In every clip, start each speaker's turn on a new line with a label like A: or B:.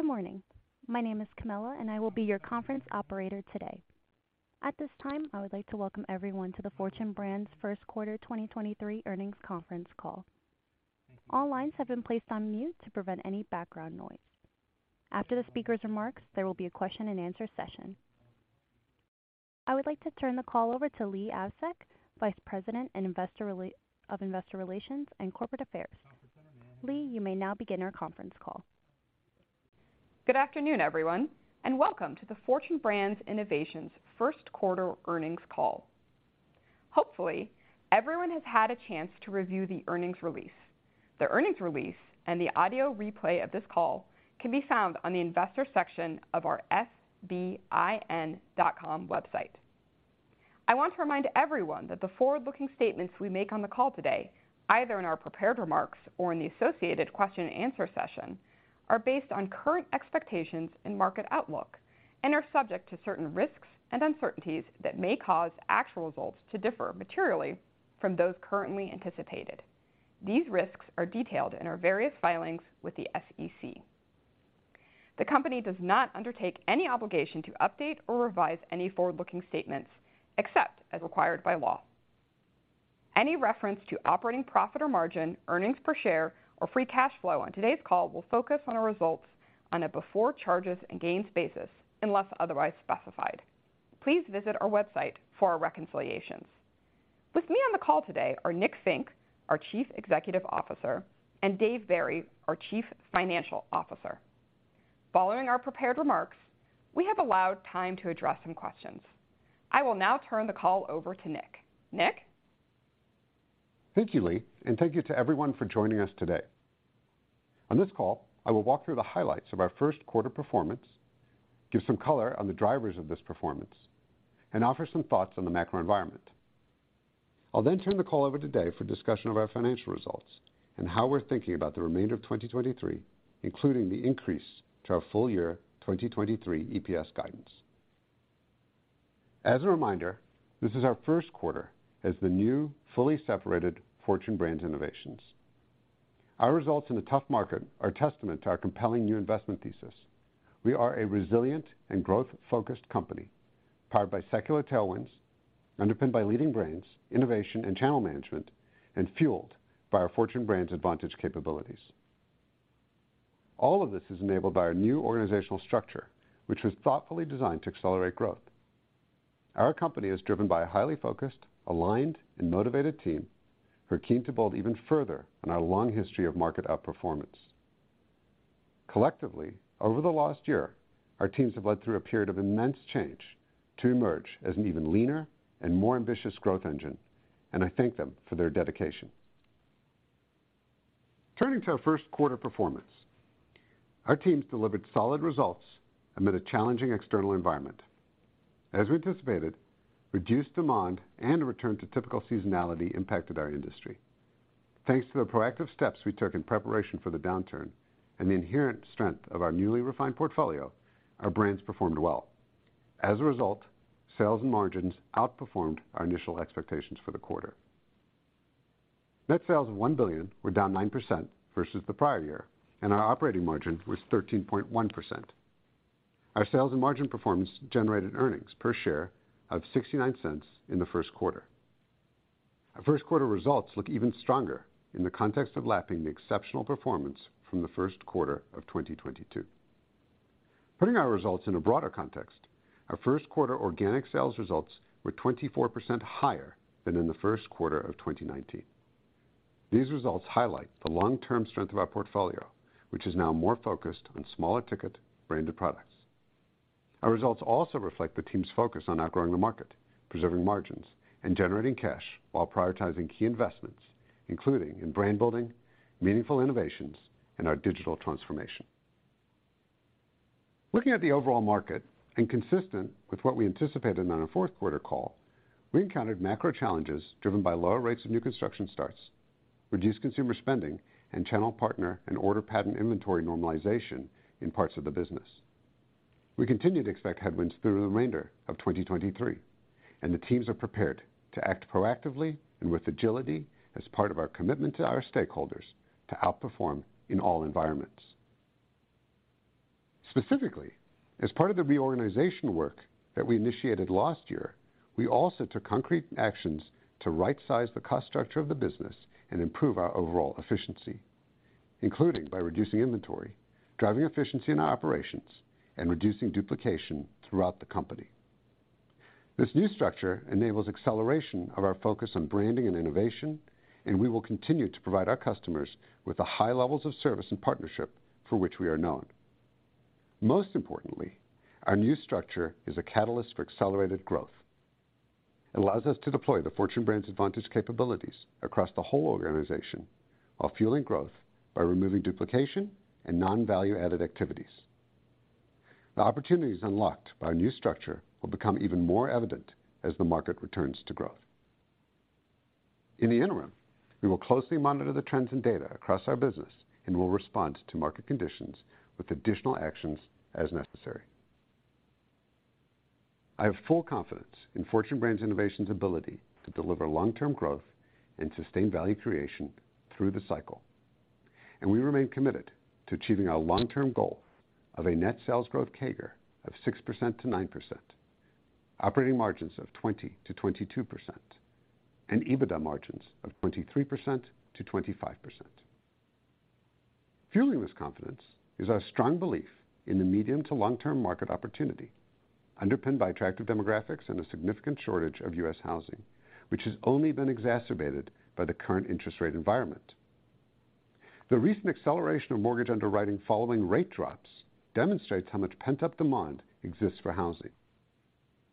A: Good morning. My name is Camilla, and I will be your conference operator today. At this time, I would like to welcome everyone to the Fortune Brands first quarter 2023 earnings conference call. All lines have been placed on mute to prevent any background noise. After the speaker's remarks, there will be a question-and-answer session. I would like to turn the call over to Leigh Avsec, Vice President of Investor Relations and Corporate Affairs. Leigh, you may now begin our conference call.
B: Good afternoon, everyone, and welcome to the Fortune Brands Innovations first quarter earnings call. Hopefully, everyone has had a chance to review the earnings release. The earnings release and the audio replay of this call can be found on the investor section of our fbin.com website. I want to remind everyone that the forward-looking statements we make on the call today, either in our prepared remarks or in the associated question-and-answer session, are based on current expectations and market outlook and are subject to certain risks and uncertainties that may cause actual results to differ materially from those currently anticipated. These risks are detailed in our various filings with the SEC. The company does not undertake any obligation to update or revise any forward-looking statements, except as required by law. Any reference to operating profit or margin, earnings per share or free cash flow on today's call will focus on our results on a before charges and gains basis, unless otherwise specified. Please visit our website for our reconciliations. With me on the call today are Nick Fink, our Chief Executive Officer, and Dave Barry, our Chief Financial Officer. Following our prepared remarks, we have allowed time to address some questions. I will now turn the call over to Nick. Nick.
C: Thank you, Leigh, and thank you to everyone for joining us today. On this call, I will walk through the highlights of our first quarter performance, give some color on the drivers of this performance, and offer some thoughts on the macro environment. I'll turn the call over to Dave for discussion of our financial results and how we're thinking about the remainder of 2023, including the increase to our full year 2023 EPS guidance. As a reminder, this is our first quarter as the new, fully separated Fortune Brands Innovations. Our results in a tough market are testament to our compelling new investment thesis. We are a resilient and growth-focused company powered by secular tailwinds, underpinned by leading brands, innovation and channel management, and fueled by our Fortune Brands Advantage capabilities. All of this is enabled by our new organizational structure, which was thoughtfully designed to accelerate growth. Our company is driven by a highly focused, aligned, and motivated team who are keen to build even further on our long history of market outperformance. Collectively, over the last year, our teams have led through a period of immense change to emerge as an even leaner and more ambitious growth engine. I thank them for their dedication. Turning to our first quarter performance. Our teams delivered solid results amid a challenging external environment. As we anticipated, reduced demand and a return to typical seasonality impacted our industry. Thanks to the proactive steps we took in preparation for the downturn and the inherent strength of our newly refined portfolio, our brands performed well. As a result, sales and margins outperformed our initial expectations for the quarter. Net sales of $1 billion were down 9% versus the prior year. Our operating margin was 13.1%. Our sales and margin performance generated earnings per share of $0.69 in the first quarter. Our first quarter results look even stronger in the context of lapping the exceptional performance from the first quarter of 2022. Putting our results in a broader context, our first quarter organic sales results were 24% higher than in the first quarter of 2019. These results highlight the long-term strength of our portfolio, which is now more focused on smaller ticket branded products. Our results also reflect the team's focus on outgrowing the market, preserving margins, and generating cash while prioritizing key investments, including in brand building, meaningful innovations, and our digital transformation. Looking at the overall market and consistent with what we anticipated on our fourth quarter call, we encountered macro challenges driven by lower rates of new construction starts, reduced consumer spending, and channel partner and order pattern inventory normalization in parts of the business. We continue to expect headwinds through the remainder of 2023, and the teams are prepared to act proactively and with agility as part of our commitment to our stakeholders to outperform in all environments. Specifically, as part of the reorganization work that we initiated last year, we also took concrete actions to right size the cost structure of the business and improve our overall efficiency, including by reducing inventory, driving efficiency in our operations, and reducing duplication throughout the company. This new structure enables acceleration of our focus on branding and innovation, and we will continue to provide our customers with the high levels of service and partnership for which we are known. Most importantly, our new structure is a catalyst for accelerated growth. It allows us to deploy the Fortune Brands Advantage capabilities across the whole organization while fueling growth by removing duplication and non-value-added activities. The opportunities unlocked by our new structure will become even more evident as the market returns to growth. In the interim, we will closely monitor the trends and data across our business and will respond to market conditions with additional actions as necessary. I have full confidence in Fortune Brands Innovations' ability to deliver long-term growth and sustain value creation through the cycle, and we remain committed to achieving our long-term goal of a net sales growth CAGR of 6%-9%, operating margins of 20%-22%, and EBITDA margins of 23%-25%. Fueling this confidence is our strong belief in the medium to long-term market opportunity, underpinned by attractive demographics and a significant shortage of U.S. housing, which has only been exacerbated by the current interest rate environment. The recent acceleration of mortgage underwriting following rate drops demonstrates how much pent-up demand exists for housing.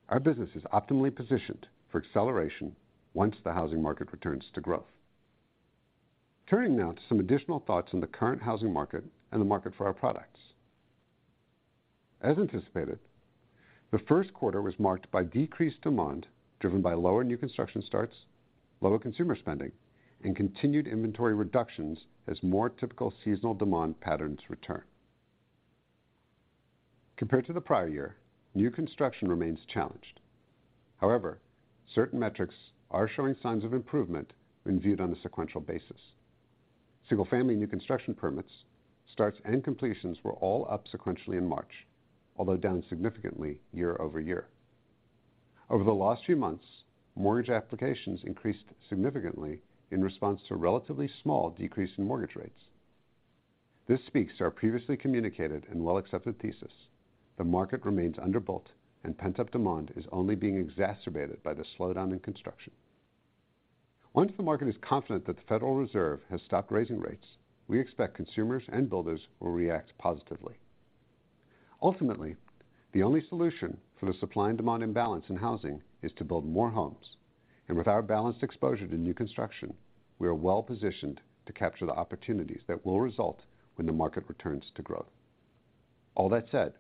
C: Our business is optimally positioned for acceleration once the housing market returns to growth. Turning now to some additional thoughts on the current housing market and the market for our products. As anticipated, the first quarter was marked by decreased demand, driven by lower new construction starts, lower consumer spending, and continued inventory reductions as more typical seasonal demand patterns return. Compared to the prior year, new construction remains challenged. Certain metrics are showing signs of improvement when viewed on a sequential basis. Single-family new construction permits, starts, and completions were all up sequentially in March, although down significantly year-over-year. Over the last few months, mortgage applications increased significantly in response to a relatively small decrease in mortgage rates. This speaks to our previously communicated and well-accepted thesis. The market remains underbuilt and pent-up demand is only being exacerbated by the slowdown in construction. Once the market is confident that the Federal Reserve has stopped raising rates, we expect consumers and builders will react positively. Ultimately, the only solution for the supply and demand imbalance in housing is to build more homes. With our balanced exposure to new construction, we are well-positioned to capture the opportunities that will result when the market returns to growth. All that said,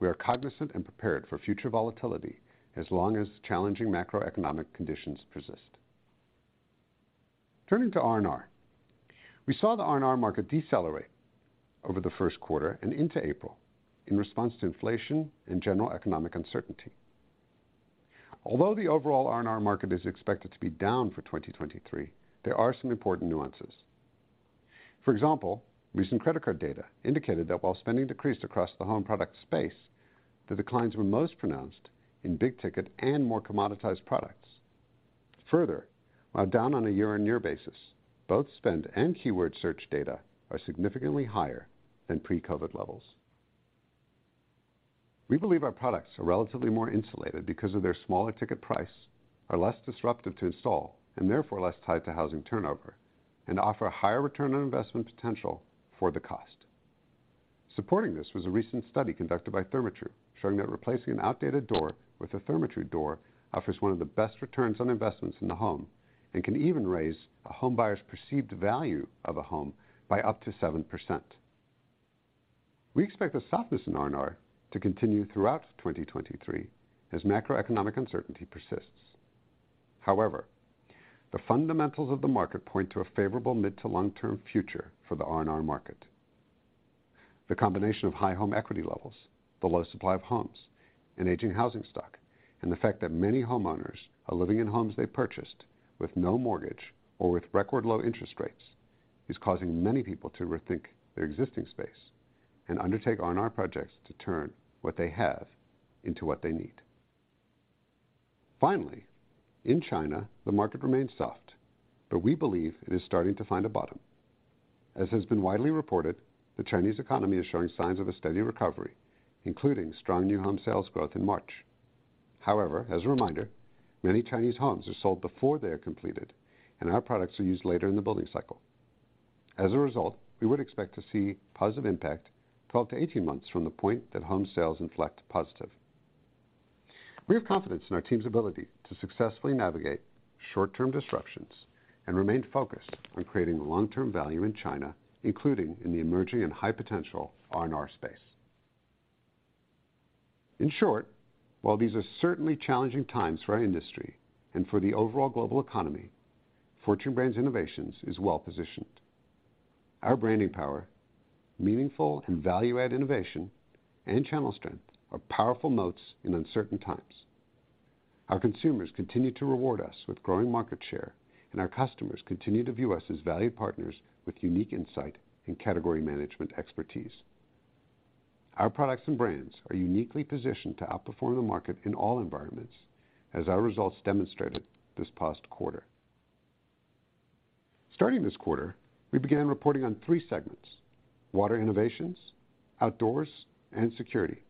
C: we are cognizant and prepared for future volatility as long as challenging macroeconomic conditions persist. Turning to R&R. We saw the R&R market decelerate over the first quarter and into April in response to inflation and general economic uncertainty. Although the overall R&R market is expected to be down for 2023, there are some important nuances. For example, recent credit card data indicated that while spending decreased across the home product space, the declines were most pronounced in big ticket and more commoditized products. While down on a year-over-year basis, both spend and keyword search data are significantly higher than pre-COVID levels. We believe our products are relatively more insulated because of their smaller ticket price, are less disruptive to install, and therefore less tied to housing turnover, and offer a higher return on investment potential for the cost. Supporting this was a recent study conducted by Therma-Tru showing that replacing an outdated door with a Therma-Tru door offers one of the best returns on investments in the home and can even raise a homebuyer's perceived value of a home by up to 7%. We expect the softness in R&R to continue throughout 2023 as macroeconomic uncertainty persists. The fundamentals of the market point to a favorable mid to long-term future for the R&R market. The combination of high home equity levels, the low supply of homes, and aging housing stock, and the fact that many homeowners are living in homes they purchased with no mortgage or with record low interest rates, is causing many people to rethink their existing space and undertake R&R projects to turn what they have into what they need. Finally, in China, the market remains soft, but we believe it is starting to find a bottom. As has been widely reported, the Chinese economy is showing signs of a steady recovery, including strong new home sales growth in March. However, as a reminder, many Chinese homes are sold before they are completed and our products are used later in the building cycle. As a result, we would expect to see positive impact 12 to 18 months from the point that home sales inflect positive. We have confidence in our team's ability to successfully navigate short-term disruptions and remain focused on creating long-term value in China, including in the emerging and high potential R&R space. In short, while these are certainly challenging times for our industry and for the overall global economy, Fortune Brands Innovations is well positioned. Our branding power, meaningful and value-add innovation, and channel strength are powerful moats in uncertain times. Our consumers continue to reward us with growing market share, and our customers continue to view us as valued partners with unique insight and category management expertise. Our products and brands are uniquely positioned to outperform the market in all environments, as our results demonstrated this past quarter. Starting this quarter, we began reporting on three segments: Water Innovations, Outdoors, and Security.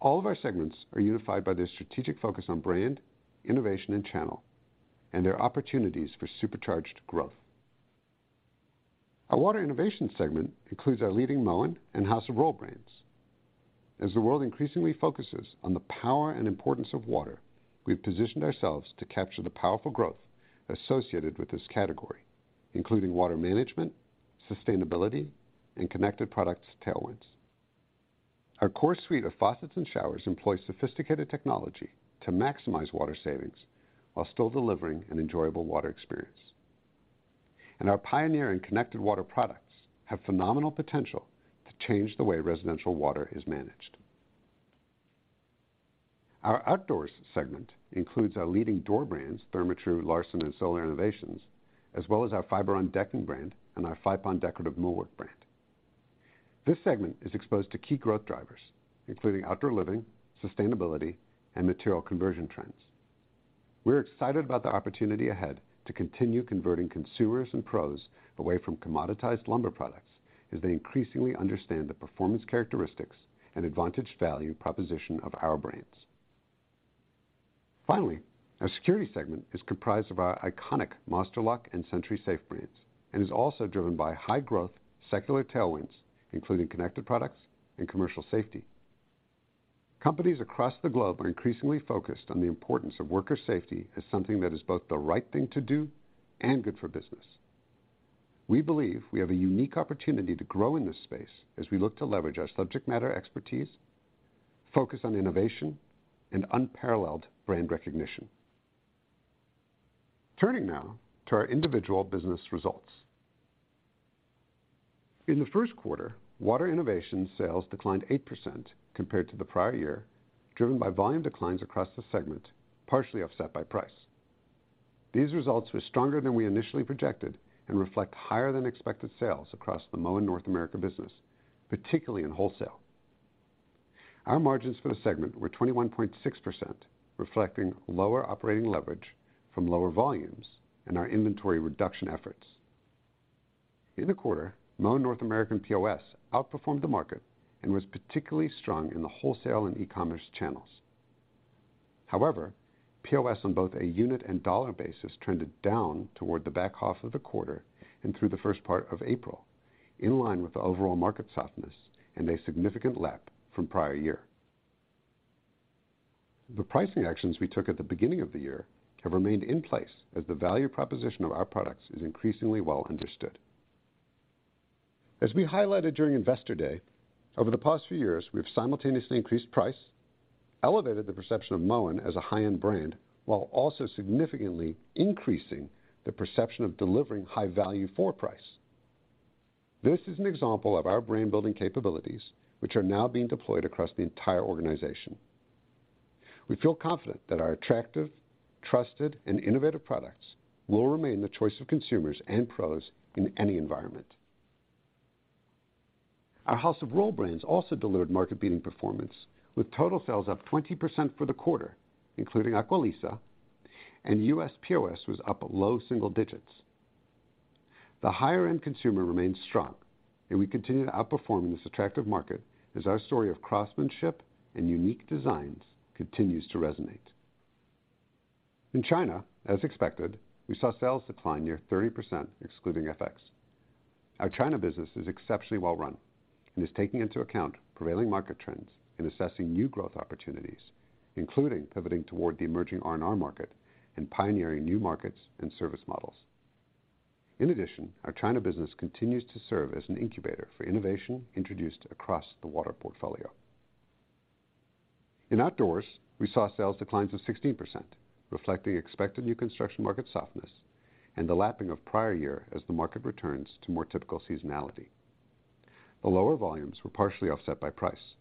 C: All of our segments are unified by their strategic focus on brand, innovation, and channel, and their opportunities for supercharged growth. Our Water Innovations segment includes our leading Moen and House of Rohl brands. As the world increasingly focuses on the power and importance of water, we've positioned ourselves to capture the powerful growth associated with this category, including water management, sustainability, and connected products tailwinds. Our core suite of faucets and showers employ sophisticated technology to maximize water savings while still delivering an enjoyable water experience. Our pioneering connected water products have phenomenal potential to change the way residential water is managed. Our Outdoors segment includes our leading door brands, Therma-Tru, Larson, and Solar Innovations, as well as our Fiberon decking brand and our Fypon decorative millwork brand. This segment is exposed to key growth drivers, including outdoor living, sustainability, and material conversion trends. We're excited about the opportunity ahead to continue converting consumers and pros away from commoditized lumber products as they increasingly understand the performance characteristics and advantage value proposition of our brands. Our Security segment is comprised of our iconic Master Lock and SentrySafe brands and is also driven by high growth secular tailwinds, including connected products and commercial safety. Companies across the globe are increasingly focused on the importance of worker safety as something that is both the right thing to do and good for business. We believe we have a unique opportunity to grow in this space as we look to leverage our subject matter expertise, focus on innovation, and unparalleled brand recognition. Turning now to our individual business results. In the first quarter, Water Innovations sales declined 8% compared to the prior year, driven by volume declines across the segment, partially offset by price. These results were stronger than we initially projected and reflect higher than expected sales across the Moen North America, particularly in wholesale. Our margins for the segment were 21.6%, reflecting lower operating leverage from lower volumes and our inventory reduction efforts. In the quarter, Moen North America POS outperformed the market and was particularly strong in the wholesale and e-commerce channels. POS on both a unit and dollar basis trended down toward the back half of the quarter and through the first part of April, in line with the overall market softness and a significant lap from prior year. The pricing actions we took at the beginning of the year have remained in place as the value proposition of our products is increasingly well understood. As we highlighted during Investor Day, over the past few years, we have simultaneously increased price, elevated the perception of Moen as a high-end brand, while also significantly increasing the perception of delivering high value for price. This is an example of our brand-building capabilities, which are now being deployed across the entire organization. We feel confident that our attractive, trusted, and innovative products will remain the choice of consumers and pros in any environment. Our House of Rohl brands also delivered market-beating performance, with total sales up 20% for the quarter, including Aqualisa, and U.S. POS was up low single digits. The higher-end consumer remains strong, and we continue to outperform in this attractive market as our story of craftsmanship and unique designs continues to resonate. In China, as expected, we saw sales decline near 30% excluding FX. Our China business is exceptionally well run and is taking into account prevailing market trends in assessing new growth opportunities, including pivoting toward the emerging R&R market and pioneering new markets and service models. In addition, our China business continues to serve as an incubator for innovation introduced across the water portfolio. In Outdoors, we saw sales declines of 16%, reflecting expected new construction market softness and the lapping of prior year as the market returns to more typical seasonality. The lower volumes were partially offset by price.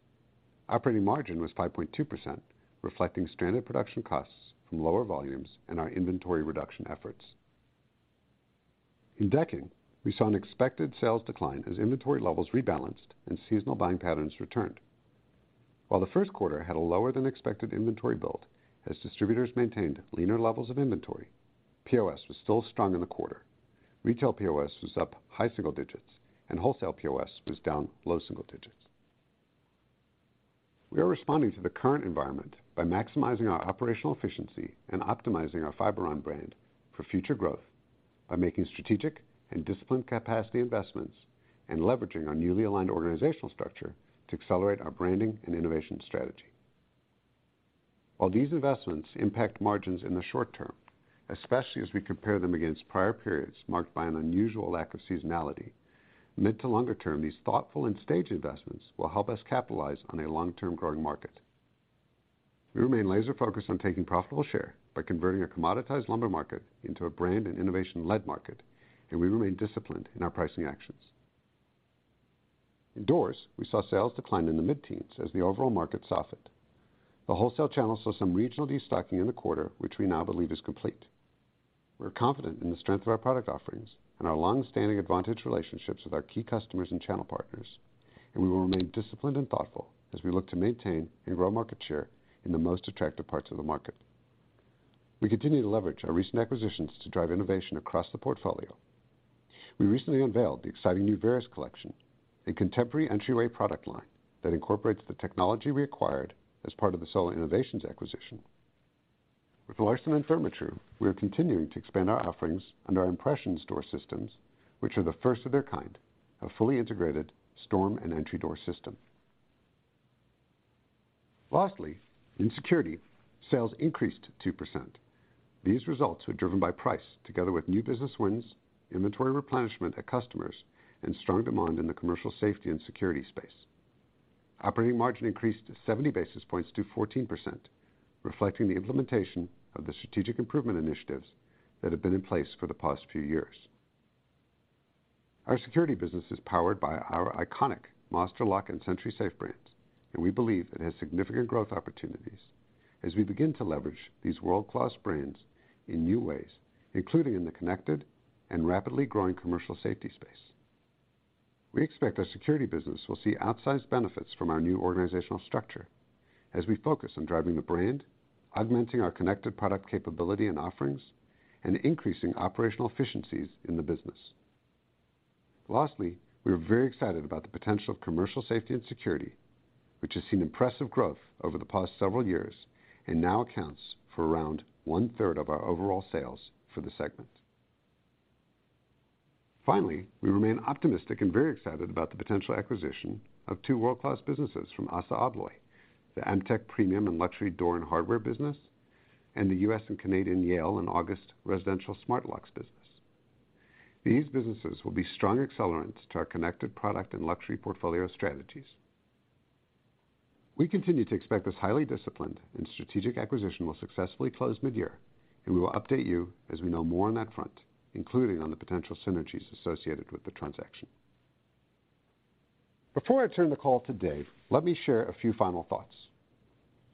C: Operating margin was 5.2%, reflecting stranded production costs from lower volumes and our inventory reduction efforts. In decking, we saw an expected sales decline as inventory levels rebalanced and seasonal buying patterns returned. While the first quarter had a lower than expected inventory build, as distributors maintained leaner levels of inventory, POS was still strong in the quarter. Retail POS was up high single digits. Wholesale POS was down low single digits. We are responding to the current environment by maximizing our operational efficiency and optimizing our Fiberon brand for future growth by making strategic and disciplined capacity investments and leveraging our newly aligned organizational structure to accelerate our branding and innovation strategy. While these investments impact margins in the short term, especially as we compare them against prior periods marked by an unusual lack of seasonality, mid to longer term, these thoughtful and staged investments will help us capitalize on a long-term growing market. We remain laser focused on taking profitable share by converting a commoditized lumber market into a brand and innovation-led market. We remain disciplined in our pricing actions. indoors, we saw sales decline in the mid-teens as the overall market softened. The wholesale channel saw some regional destocking in the quarter, which we now believe is complete. We're confident in the strength of our product offerings and our long-standing advantage relationships with our key customers and channel partners. We will remain disciplined and thoughtful as we look to maintain and grow market share in the most attractive parts of the market. We continue to leverage our recent acquisitions to drive innovation across the portfolio. We recently unveiled the exciting new Veris collection, a contemporary entryway product line that incorporates the technology we acquired as part of the Solar Innovations acquisition. With Larson and Therma-Tru, we are continuing to expand our offerings and our Impressions door systems, which are the first of their kind, a fully integrated storm and entry door system. Lastly, in Security, sales increased 2%. These results were driven by price together with new business wins, inventory replenishment at customers, and strong demand in the commercial safety and security space. Operating margin increased 70 basis points to 14%, reflecting the implementation of the strategic improvement initiatives that have been in place for the past few years. Our security business is powered by our iconic Master Lock and SentrySafe brands, and we believe it has significant growth opportunities as we begin to leverage these world-class brands in new ways, including in the connected and rapidly growing commercial safety space. We expect our security business will see outsized benefits from our new organizational structure as we focus on driving the brand, augmenting our connected product capability and offerings, and increasing operational efficiencies in the business. Lastly, we are very excited about the potential of commercial safety and security, which has seen impressive growth over the past several years and now accounts for around 1/3 of our overall sales for the segment. Finally, we remain optimistic and very excited about the potential acquisition of two world-class businesses from ASSA ABLOY, the Emtek premium and luxury door and hardware business, and the U.S. and Canadian Yale and August residential smart locks business. These businesses will be strong accelerants to our connected product and luxury portfolio strategies. We continue to expect this highly disciplined and strategic acquisition will successfully close mid-year, and we will update you as we know more on that front, including on the potential synergies associated with the transaction. Before I turn the call to Dave, let me share a few final thoughts.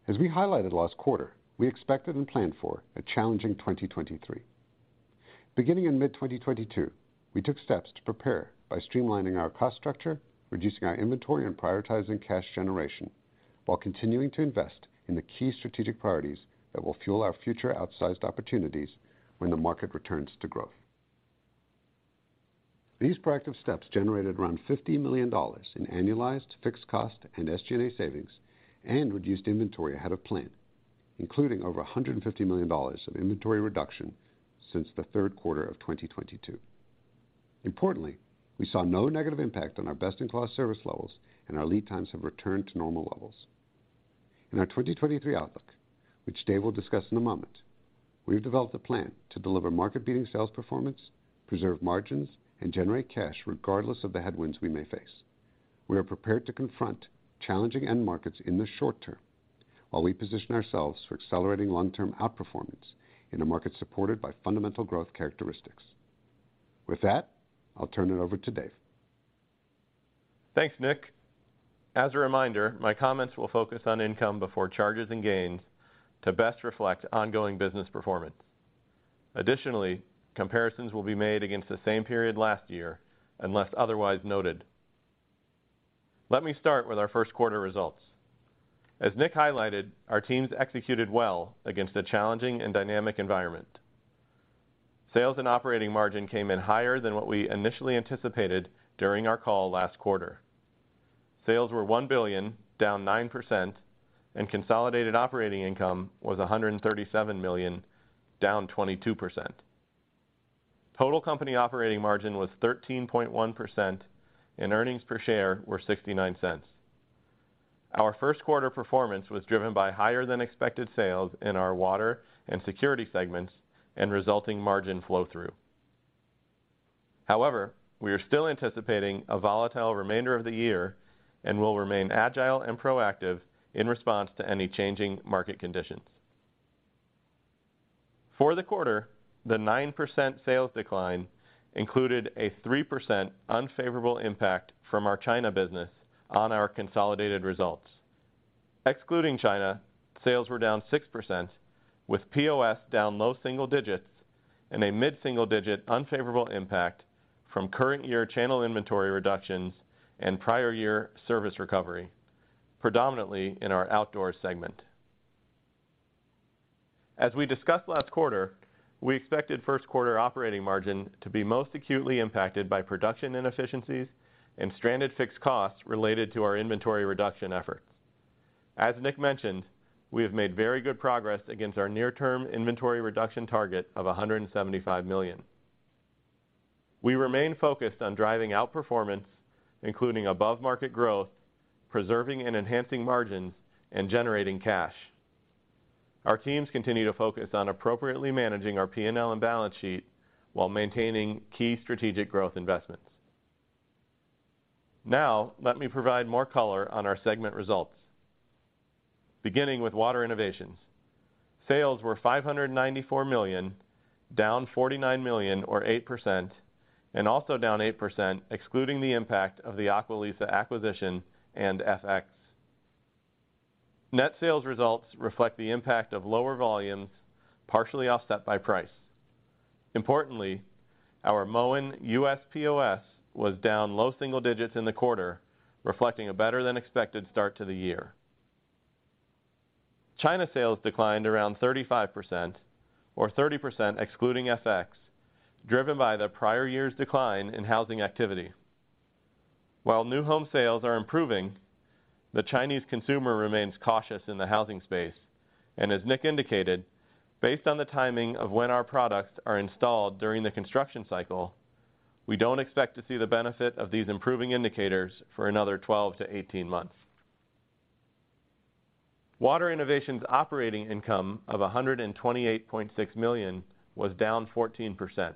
C: As we highlighted last quarter, we expected and planned for a challenging 2023. Beginning in mid-2022, we took steps to prepare by streamlining our cost structure, reducing our inventory, and prioritizing cash generation while continuing to invest in the key strategic priorities that will fuel our future outsized opportunities when the market returns to growth. These proactive steps generated around $50 million in annualized fixed cost and SG&A savings and reduced inventory ahead of plan, including over $150 million of inventory reduction since the third quarter of 2022. Importantly, we saw no negative impact on our best-in-class service levels, and our lead times have returned to normal levels. In our 2023 outlook, which Dave will discuss in a moment, we have developed a plan to deliver market-beating sales performance, preserve margins, and generate cash regardless of the headwinds we may face. We are prepared to confront challenging end markets in the short term while we position ourselves for accelerating long-term outperformance in a market supported by fundamental growth characteristics. With that, I'll turn it over to Dave.
D: Thanks, Nick. As a reminder, my comments will focus on income before charges and gains to best reflect ongoing business performance. Additionally, comparisons will be made against the same period last year, unless otherwise noted. Let me start with our first quarter results. As Nick highlighted, our teams executed well against a challenging and dynamic environment. Sales and operating margin came in higher than what we initially anticipated during our call last quarter. Sales were $1 billion, down 9%, and consolidated operating income was $137 million, down 22%. Total company operating margin was 13.1%, and earnings per share were $0.69. Our first quarter performance was driven by higher than expected sales in our Water and Security segments and resulting margin flow through. We are still anticipating a volatile remainder of the year and will remain agile and proactive in response to any changing market conditions. The 9% sales decline included a 3% unfavorable impact from our China business on our consolidated results. Excluding China, sales were down 6%, with POS down low single digits and a mid-single digit unfavorable impact from current year channel inventory reductions and prior year service recovery, predominantly in our Outdoors segment. We discussed last quarter, we expected first quarter operating margin to be most acutely impacted by production inefficiencies and stranded fixed costs related to our inventory reduction efforts. Nick mentioned, we have made very good progress against our near-term inventory reduction target of $175 million. We remain focused on driving outperformance, including above-market growth, preserving and enhancing margins, and generating cash. Our teams continue to focus on appropriately managing our P&L and balance sheet while maintaining key strategic growth investments. Let me provide more color on our segment results. Beginning with Water Innovations. Sales were $594 million, down $49 million or 8%, and also down 8% excluding the impact of the Aqualisa acquisition and FX. Net sales results reflect the impact of lower volumes partially offset by price. Importantly, our Moen U.S. POS was down low single digits in the quarter, reflecting a better than expected start to the year. China sales declined around 35%, or 30% excluding FX, driven by the prior year's decline in housing activity. New home sales are improving, the Chinese consumer remains cautious in the housing space. As Nick indicated, based on the timing of when our products are installed during the construction cycle, we don't expect to see the benefit of these improving indicators for another 12-18 months. Water Innovations operating income of $128.6 million was down 14%.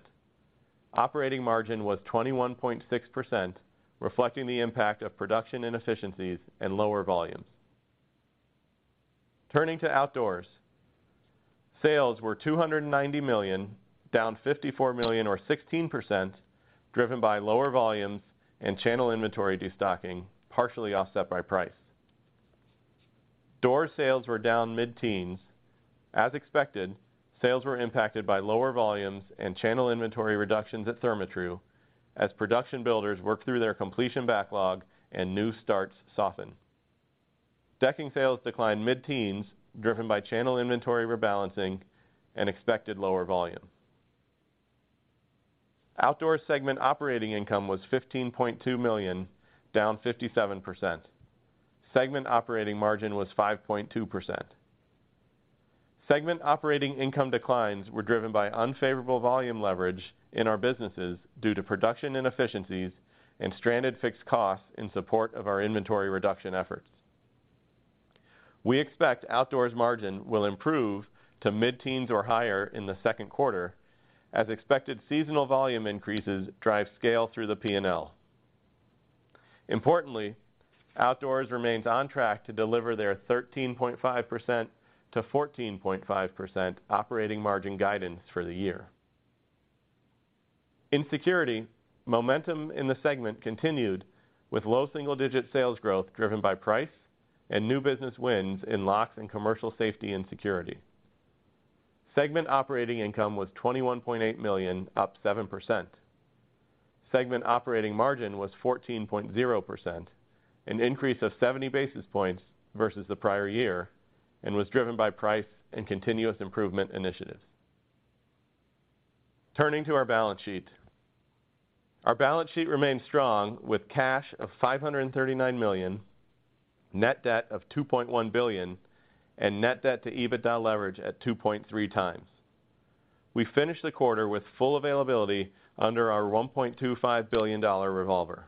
D: Operating margin was 21.6%, reflecting the impact of production inefficiencies and lower volumes. Turning to Outdoors. Sales were $290 million, down $54 million or 16%, driven by lower volumes and channel inventory destocking, partially offset by price. Door sales were down mid-teens. As expected, sales were impacted by lower volumes and channel inventory reductions at Therma-Tru as production builders work through their completion backlog and new starts soften. Decking sales declined mid-teens, driven by channel inventory rebalancing and expected lower volume. Outdoor segment operating income was $15.2 million, down 57%. Segment operating margin was 5.2%. Segment operating income declines were driven by unfavorable volume leverage in our businesses due to production inefficiencies and stranded fixed costs in support of our inventory reduction efforts. We expect Outdoors margin will improve to mid-teens or higher in the second quarter as expected seasonal volume increases drive scale through the P&L. Importantly, Outdoors remains on track to deliver their 13.5%-14.5% operating margin guidance for the year. In Security, momentum in the segment continued, with low single-digit sales growth driven by price and new business wins in locks and commercial safety and security. Segment operating income was $21.8 million, up 7%. Segment operating margin was 14.0%, an increase of 70 basis points versus the prior year, and was driven by price and continuous improvement initiatives. Turning to our balance sheet. Our balance sheet remains strong with cash of $539 million, net debt of $2.1 billion, and net debt to EBITDA leverage at 2.3x. We finished the quarter with full availability under our $1.25 billion revolver.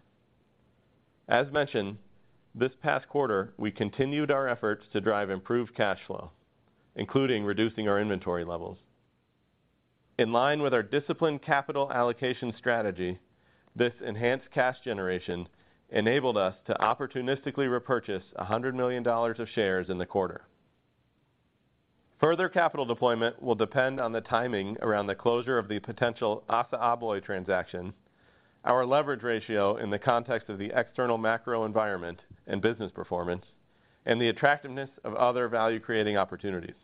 D: As mentioned, this past quarter, we continued our efforts to drive improved cash flow, including reducing our inventory levels. In line with our disciplined capital allocation strategy, this enhanced cash generation enabled us to opportunistically repurchase $100 million of shares in the quarter. Further capital deployment will depend on the timing around the closure of the potential ASSA ABLOY transaction, our leverage ratio in the context of the external macro environment and business performance, and the attractiveness of other value-creating opportunities.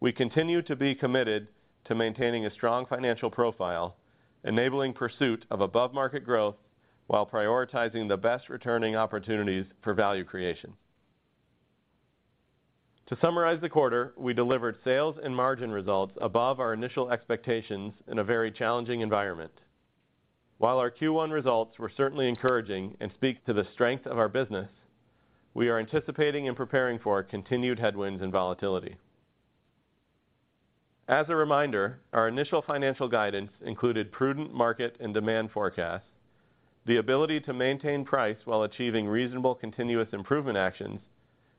D: We continue to be committed to maintaining a strong financial profile, enabling pursuit of above-market growth while prioritizing the best returning opportunities for value creation. To summarize the quarter, we delivered sales and margin results above our initial expectations in a very challenging environment. While our Q1 results were certainly encouraging and speak to the strength of our business, we are anticipating and preparing for continued headwinds and volatility. As a reminder, our initial financial guidance included prudent market and demand forecasts, the ability to maintain price while achieving reasonable continuous improvement actions,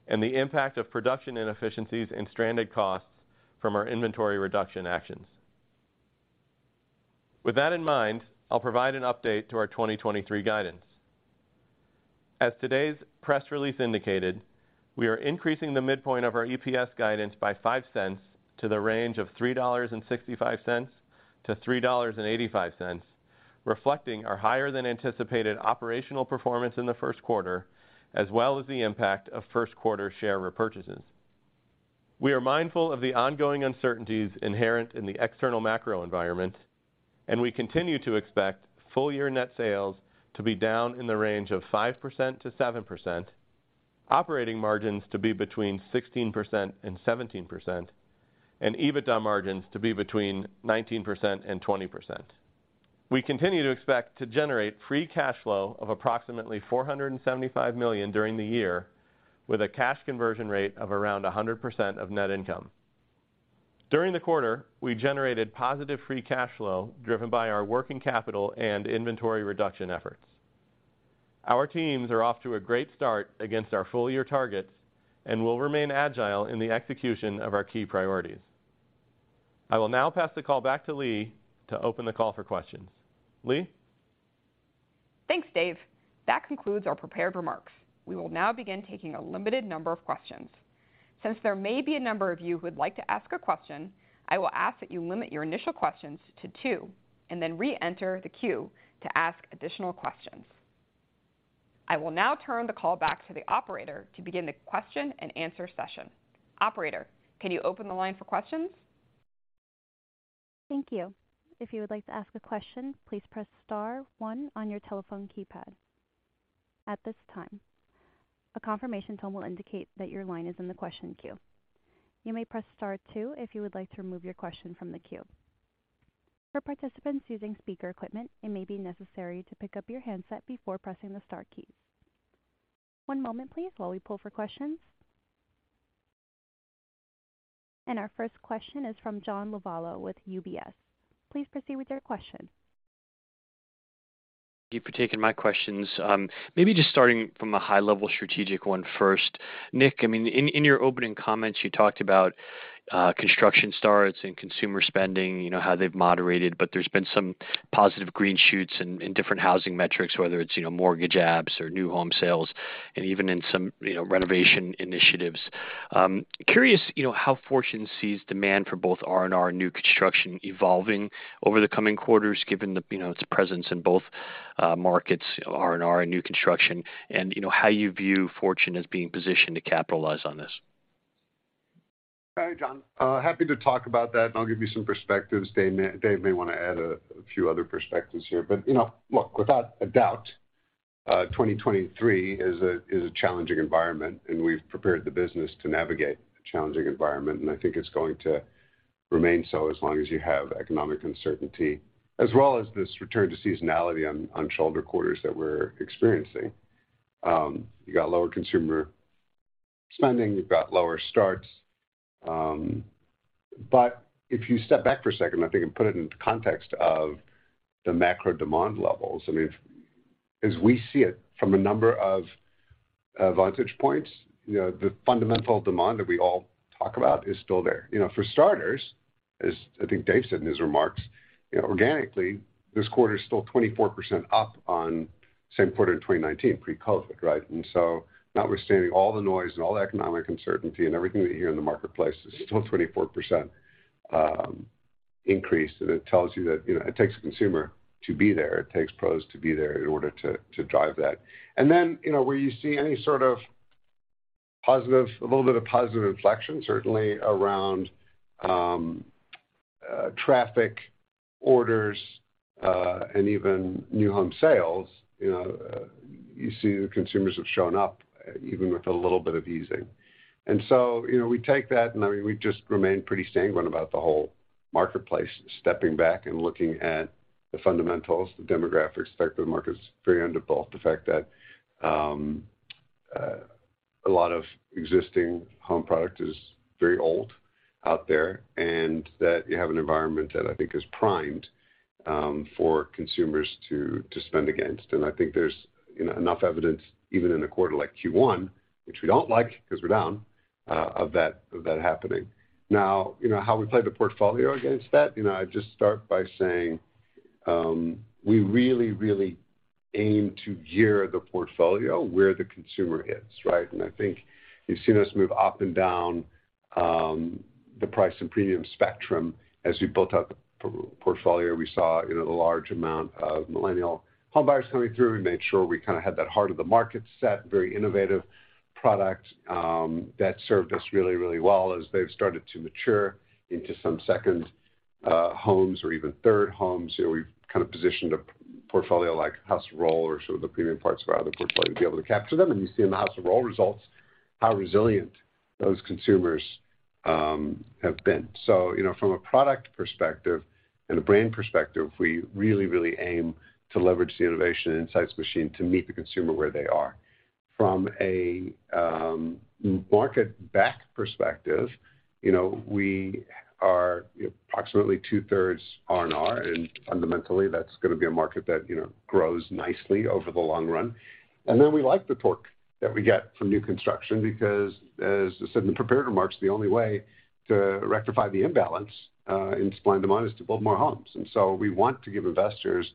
D: and the impact of production inefficiencies and stranded costs from our inventory reduction actions. With that in mind, I'll provide an update to our 2023 guidance. As today's press release indicated, we are increasing the midpoint of our EPS guidance by $0.05 to the range of $3.65 to $3.85, reflecting our higher than anticipated operational performance in the first quarter, as well as the impact of first quarter share repurchases. We are mindful of the ongoing uncertainties inherent in the external macro environment. We continue to expect full year net sales to be down in the range of 5%-7%, operating margins to be between 16% and 17%, and EBITDA margins to be between 19% and 20%. We continue to expect to generate free cash flow of approximately $475 million during the year, with a cash conversion rate of around 100% of net income. During the quarter, we generated positive free cash flow driven by our working capital and inventory reduction efforts. Our teams are off to a great start against our full-year targets and will remain agile in the execution of our key priorities. I will now pass the call back to Leigh to open the call for questions. Leigh?
B: Thanks, Dave. That concludes our prepared remarks. We will now begin taking a limited number of questions. There may be a number of you who would like to ask a question, I will ask that you limit your initial questions to two and then re-enter the queue to ask additional questions. I will now turn the call back to the Operator to begin the question and answer session. Operator, can you open the line for questions?
A: Thank you. If you would like to ask a question, please press star one on your telephone keypad. At this time, a confirmation tone will indicate that your line is in the question queue. You may press Star two if you would like to remove your question from the queue. For participants using speaker equipment, it may be necessary to pick up your handset before pressing the star keys. One moment, please, while we pull for questions. Our first question is from John Lovallo with UBS. Please proceed with your question.
E: Thank you for taking my questions. Maybe just starting from a high-level strategic one first. Nick, I mean, in your opening comments, you talked about, construction starts and consumer spending, you know, how they've moderated, but there's been some positive green shoots in different housing metrics, whether it's, you know, mortgage apps or new home sales and even in some, you know, renovation initiatives. Curious, you know, how Fortune sees demand for both R&R new construction evolving over the coming quarters given the, you know, its presence in both, markets, R&R and new construction, and, you know, how you view Fortune as being positioned to capitalize on this.
C: Hey, John. Happy to talk about that, and I'll give you some perspectives. Dave may wanna add a few other perspectives here. You know, look, without a doubt, 2023 is a challenging environment, and we've prepared the business to navigate a challenging environment, and I think it's going to remain so as long as you have economic uncertainty, as well as this return to seasonality on shoulder quarters that we're experiencing. You got lower consumer spending, you've got lower starts. If you step back for a second, I think, and put it into context of the macro demand levels, I mean, as we see it from a number of vantage points, you know, the fundamental demand that we all talk about is still there. You know, for starters, as I think Dave said in his remarks, you know, organically, this quarter's still 24% up on same quarter in 2019, pre-COVID, right? Notwithstanding all the noise and all the economic uncertainty and everything that you hear in the marketplace, it's still 24% increase. It tells you that, you know, it takes a consumer to be there. It takes pros to be there in order to drive that. You know, where you see any sort of a little bit of positive inflection, certainly around traffic orders, and even new home sales, you know, you see the consumers have shown up, even with a little bit of easing. You know, we take that, and I mean, we just remain pretty sanguine about the whole marketplace, stepping back and looking at the fundamentals, the demographics, the fact that the market's very under-built, the fact that a lot of existing home product is very old out there, and that you have an environment that I think is primed for consumers to spend against. I think there's, you know, enough evidence, even in a quarter like Q1, which we don't like 'cause we're down, of that happening. Now, you know, how we play the portfolio against that, you know, I'd just start by saying, we really aim to gear the portfolio where the consumer is, right? I think you've seen us move up and down, the price and premium spectrum. As we built out the portfolio, we saw, you know, the large amount of millennial home buyers coming through. We made sure we kinda had that heart of the market set, very innovative product, that served us really, really well as they've started to mature into some second homes or even third homes. You know, we've kind of positioned a portfolio like House of Rohl or some of the premium parts of our other portfolio to be able to capture them, and you see in the House of Rohl results how resilient those consumers have been. You know, from a product perspective and a brand perspective, we really, really aim to leverage the innovation and insights machine to meet the consumer where they are. From a market back perspective, you know, we are approximately two thirds R&R, and fundamentally, that's gonna be a market that, you know, grows nicely over the long run. Then we like the torque that we get from new construction because, as I said in the prepared remarks, the only way to rectify the imbalance in supply and demand is to build more homes. So we want to give investors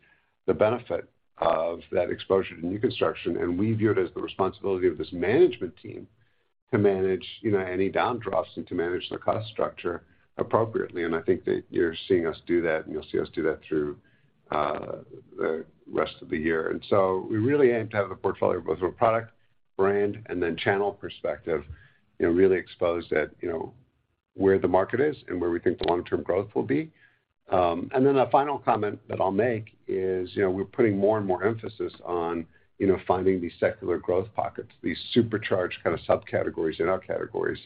C: the benefit of that exposure to new construction, and we view it as the responsibility of this management team to manage, you know, any downdrafts and to manage the cost structure appropriately. I think that you're seeing us do that, and you'll see us do that through the rest of the year. We really aim to have the portfolio both from a product, brand, and then channel perspective, you know, really exposed at, you know, where the market is and where we think the long-term growth will be. Then a final comment that I'll make is, you know, we're putting more and more emphasis on, you know, finding these secular growth pockets, these supercharged kinda subcategories in our categories,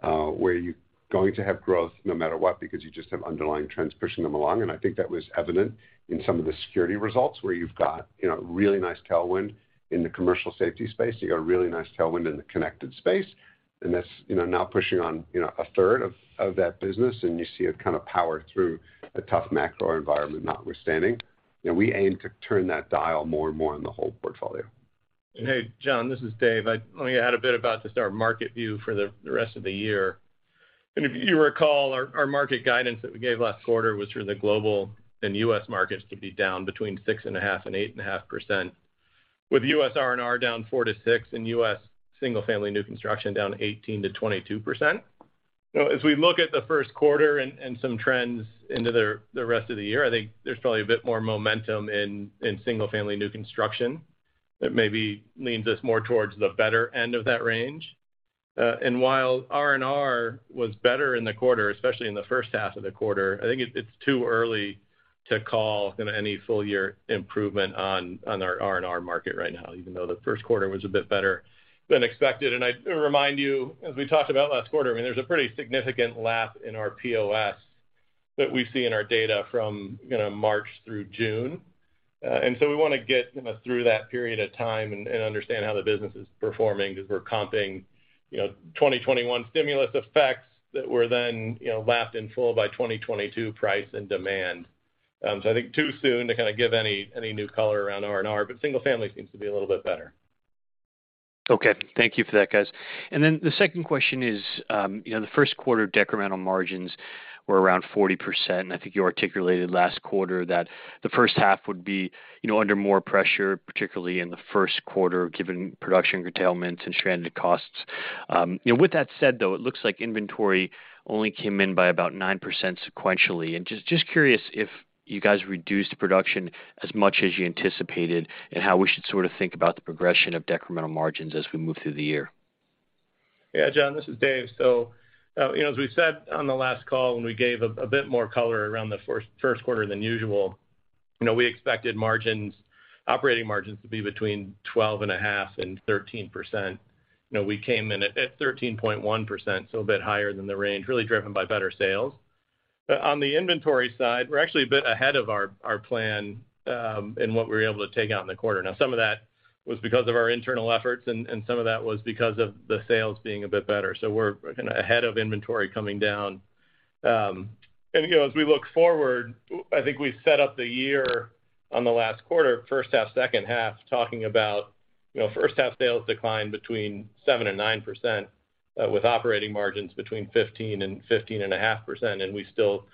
C: where you're going to have growth no matter what because you just have underlying trends pushing them along. I think that was evident in some of the Security results where you've got, you know, really nice tailwind in the commercial safety space. You got a really nice tailwind in the connected space, and that's, you know, now pushing on, you know, a third of that business, and you see it kinda power through a tough macro environment notwithstanding. You know, we aim to turn that dial more and more in the whole portfolio.
D: Hey, John, this is Dave. let me add a bit about just our market view for the rest of the year. If you recall, our market guidance that we gave last quarter was for the global and U.S. markets to be down between 6.5%-8.5%, with U.S. R&R down 4%-6% and U.S. single-family new construction down 18%-22%. You know, as we look at the first quarter and some trends into the rest of the year, I think there's probably a bit more momentum in single-family new construction that maybe leans us more towards the better end of that range. While R&R was better in the quarter, especially in the first half of the quarter, I think it's too early to call kinda any full year improvement on our R&R market right now, even though the first quarter was a bit better than expected. I'd remind you, as we talked about last quarter, I mean, there's a pretty significant lap in our POS that we see in our data from, you know, March through June. We wanna get kinda through that period of time and understand how the business is performing 'cause we're comping, you know, 2021 stimulus effects that were then, you know, lapped in full by 2022 price and demand. I think too soon to kinda give any new color around R&R, but single family seems to be a little bit better.
E: Okay. Thank you for that, guys. The second question is, you know, the first quarter decremental margins were around 40%, and I think you articulated last quarter that the first half would be, you know, under more pressure, particularly in the first quarter, given production curtailment and stranded costs. You know, with that said, though, it looks like inventory only came in by about 9% sequentially. Just curious if you guys reduced production as much as you anticipated and how we should sort of think about the progression of decremental margins as we move through the year?
D: Yeah, John, this is Dave. You know, as we said on the last call, when we gave a bit more color around the first quarter than usual, you know, we expected operating margins to be between 12.5% and 13%. You know, we came in at 13.1%, a bit higher than the range, really driven by better sales. On the inventory side, we're actually a bit ahead of our plan in what we were able to take out in the quarter. Now, some of that was because of our internal efforts, and some of that was because of the sales being a bit better. We're, you know, ahead of inventory coming down. You know, as we look forward, I think we set up the year on the last quarter, first half, second half, talking about, you know, first half sales decline between 7% and 9%, with operating margins between 15% and 15.5%, and we still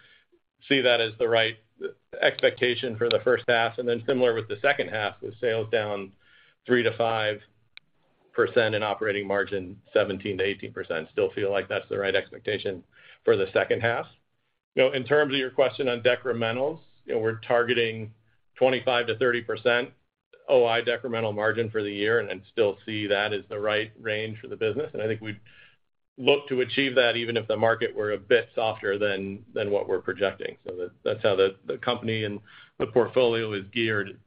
D: see that as the right expectation for the first half. Similar with the second half, with sales down 3%-5% and operating margin 17%-18%. Still feel like that's the right expectation for the second half. You know, in terms of your question on decrementals, you know, we're targeting 25%-30% OI decremental margin for the year and still see that as the right range for the business. I think we'd look to achieve that even if the market were a bit softer than what we're projecting. That's how the company and the portfolio is geared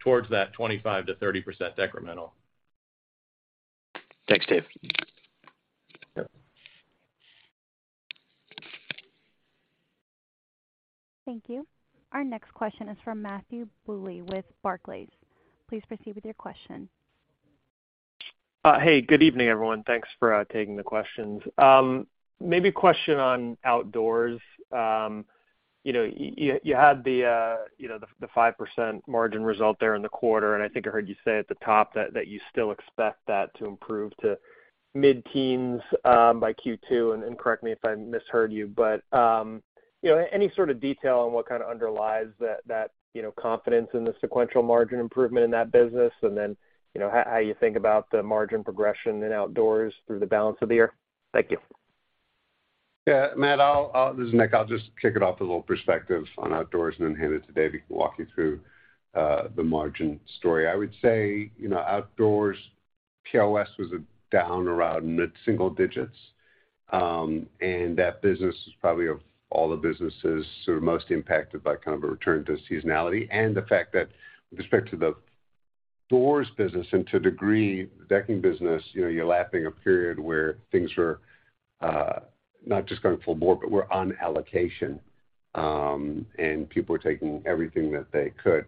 D: towards that 25%-30% decremental.
E: Thanks, Dave.
D: Yep.
A: Thank you. Our next question is from Matthew Bouley with Barclays. Please proceed with your question.
F: Hey, good evening, everyone. Thanks for taking the questions. Maybe a question on Outdoors. You know, you had the, you know, the 5% margin result there in the quarter, and I think I heard you say at the top that you still expect that to improve to mid-teens by Q2, and correct me if I misheard you. You know, any sort of detail on what kinda underlies that, you know, confidence in the sequential margin improvement in that business, and then, you know, how you think about the margin progression in Outdoors through the balance of the year? Thank you.
C: Yeah. Matt, I'll. This is Nick. I'll just kick it off with a little perspective on Outdoors and then hand it to Dave who can walk you through the margin story. I would say, you know, Outdoors POS was down around mid-single digits, and that business is probably of all the businesses sort of most impacted by kind of a return to seasonality and the fact that with respect to the doors business and to a degree the decking business, you know, you're lapping a period where things were not just going full bore, but were on allocation, and people were taking everything that they could.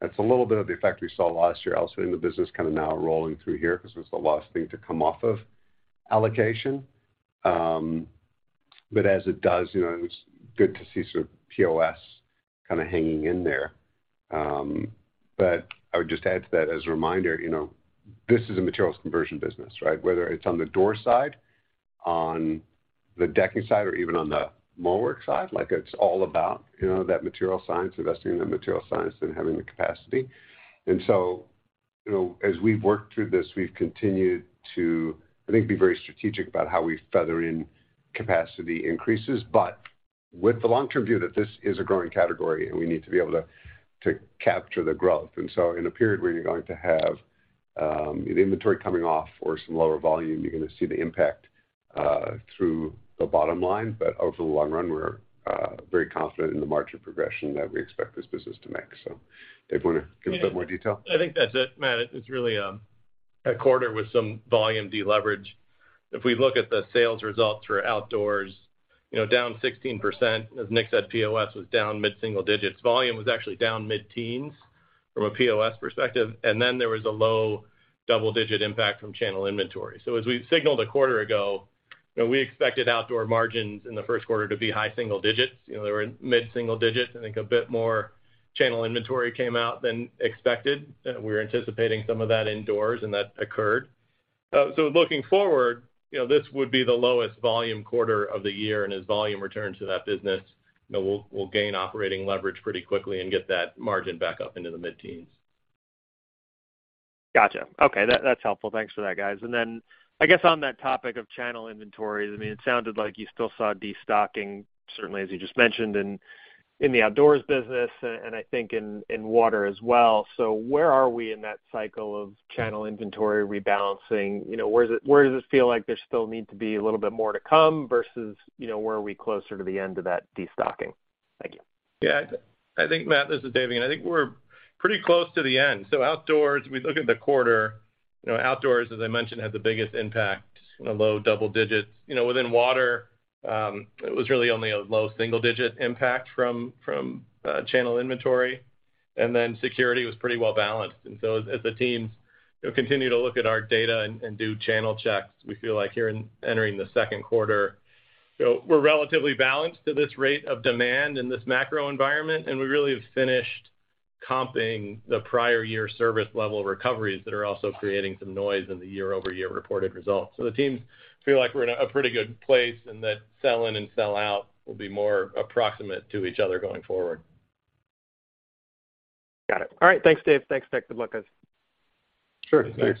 C: That's a little bit of the effect we saw last year elsewhere in the business kind of now rolling through here 'cause it was the last thing to come off of allocation. As it does, you know, it's good to see sort of POS kind of hanging in there. I would just add to that as a reminder, you know, this is a materials conversion business, right? Whether it's on the door side, on the decking side, or even on the Moen side, like it's all about, you know, that material science, investing in the material science and having the capacity. You know, as we've worked through this, we've continued to, I think, be very strategic about how we feather in capacity increases. With the long-term view that this is a growing category and we need to be able to capture the growth. In a period where you're going to have an inventory coming off or some lower volume, you're going to see the impact through the bottom line. Over the long run, we're very confident in the margin progression that we expect this business to make. Dave, wanna give a bit more detail?
D: I think that's it, Matt. It's really a quarter with some volume deleverage. If we look at the sales results for Outdoors, you know, down 16%. As Nick said, POS was down mid-single digits. Volume was actually down mid-teens from a POS perspective, and then there was a low double-digit impact from channel inventory. As we signaled a quarter ago, you know, we expected Outdoor margins in the first quarter to be high single digits. You know, they were mid-single digits. I think a bit more channel inventory came out than expected. We were anticipating some of that indoors, and that occurred. Looking forward, you know, this would be the lowest volume quarter of the year, and as volume returns to that business, you know, we'll gain operating leverage pretty quickly and get that margin back up into the mid-teens.
F: Gotcha. Okay. That's helpful. Thanks for that, guys. I guess on that topic of channel inventories, I mean, it sounded like you still saw destocking, certainly as you just mentioned in the Outdoors business and I think in Water as well. Where are we in that cycle of channel inventory rebalancing? You know, where does it feel like there still need to be a little bit more to come versus, you know, where are we closer to the end of that destocking? Thank you.
D: Yeah. I think, Matt, this is Dave again. I think we're pretty close to the end. Outdoors, we look at the quarter, you know, Outdoors, as I mentioned, had the biggest impact in the low double digits. You know, within Water, it was really only a low single-digit impact from channel inventory, and then Security was pretty well balanced. As the teams, you know, continue to look at our data and do channel checks, we feel like here in entering the second quarter, you know, we're relatively balanced to this rate of demand in this macro environment, and we really have finished Comping the prior year service level recoveries that are also creating some noise in the year-over-year reported results. The teams feel like we're in a pretty good place and that sell in and sell out will be more approximate to each other going forward. Got it. All right, thanks, Dave. Thanks, Nick. Good luck, guys. Sure.
C: Thanks.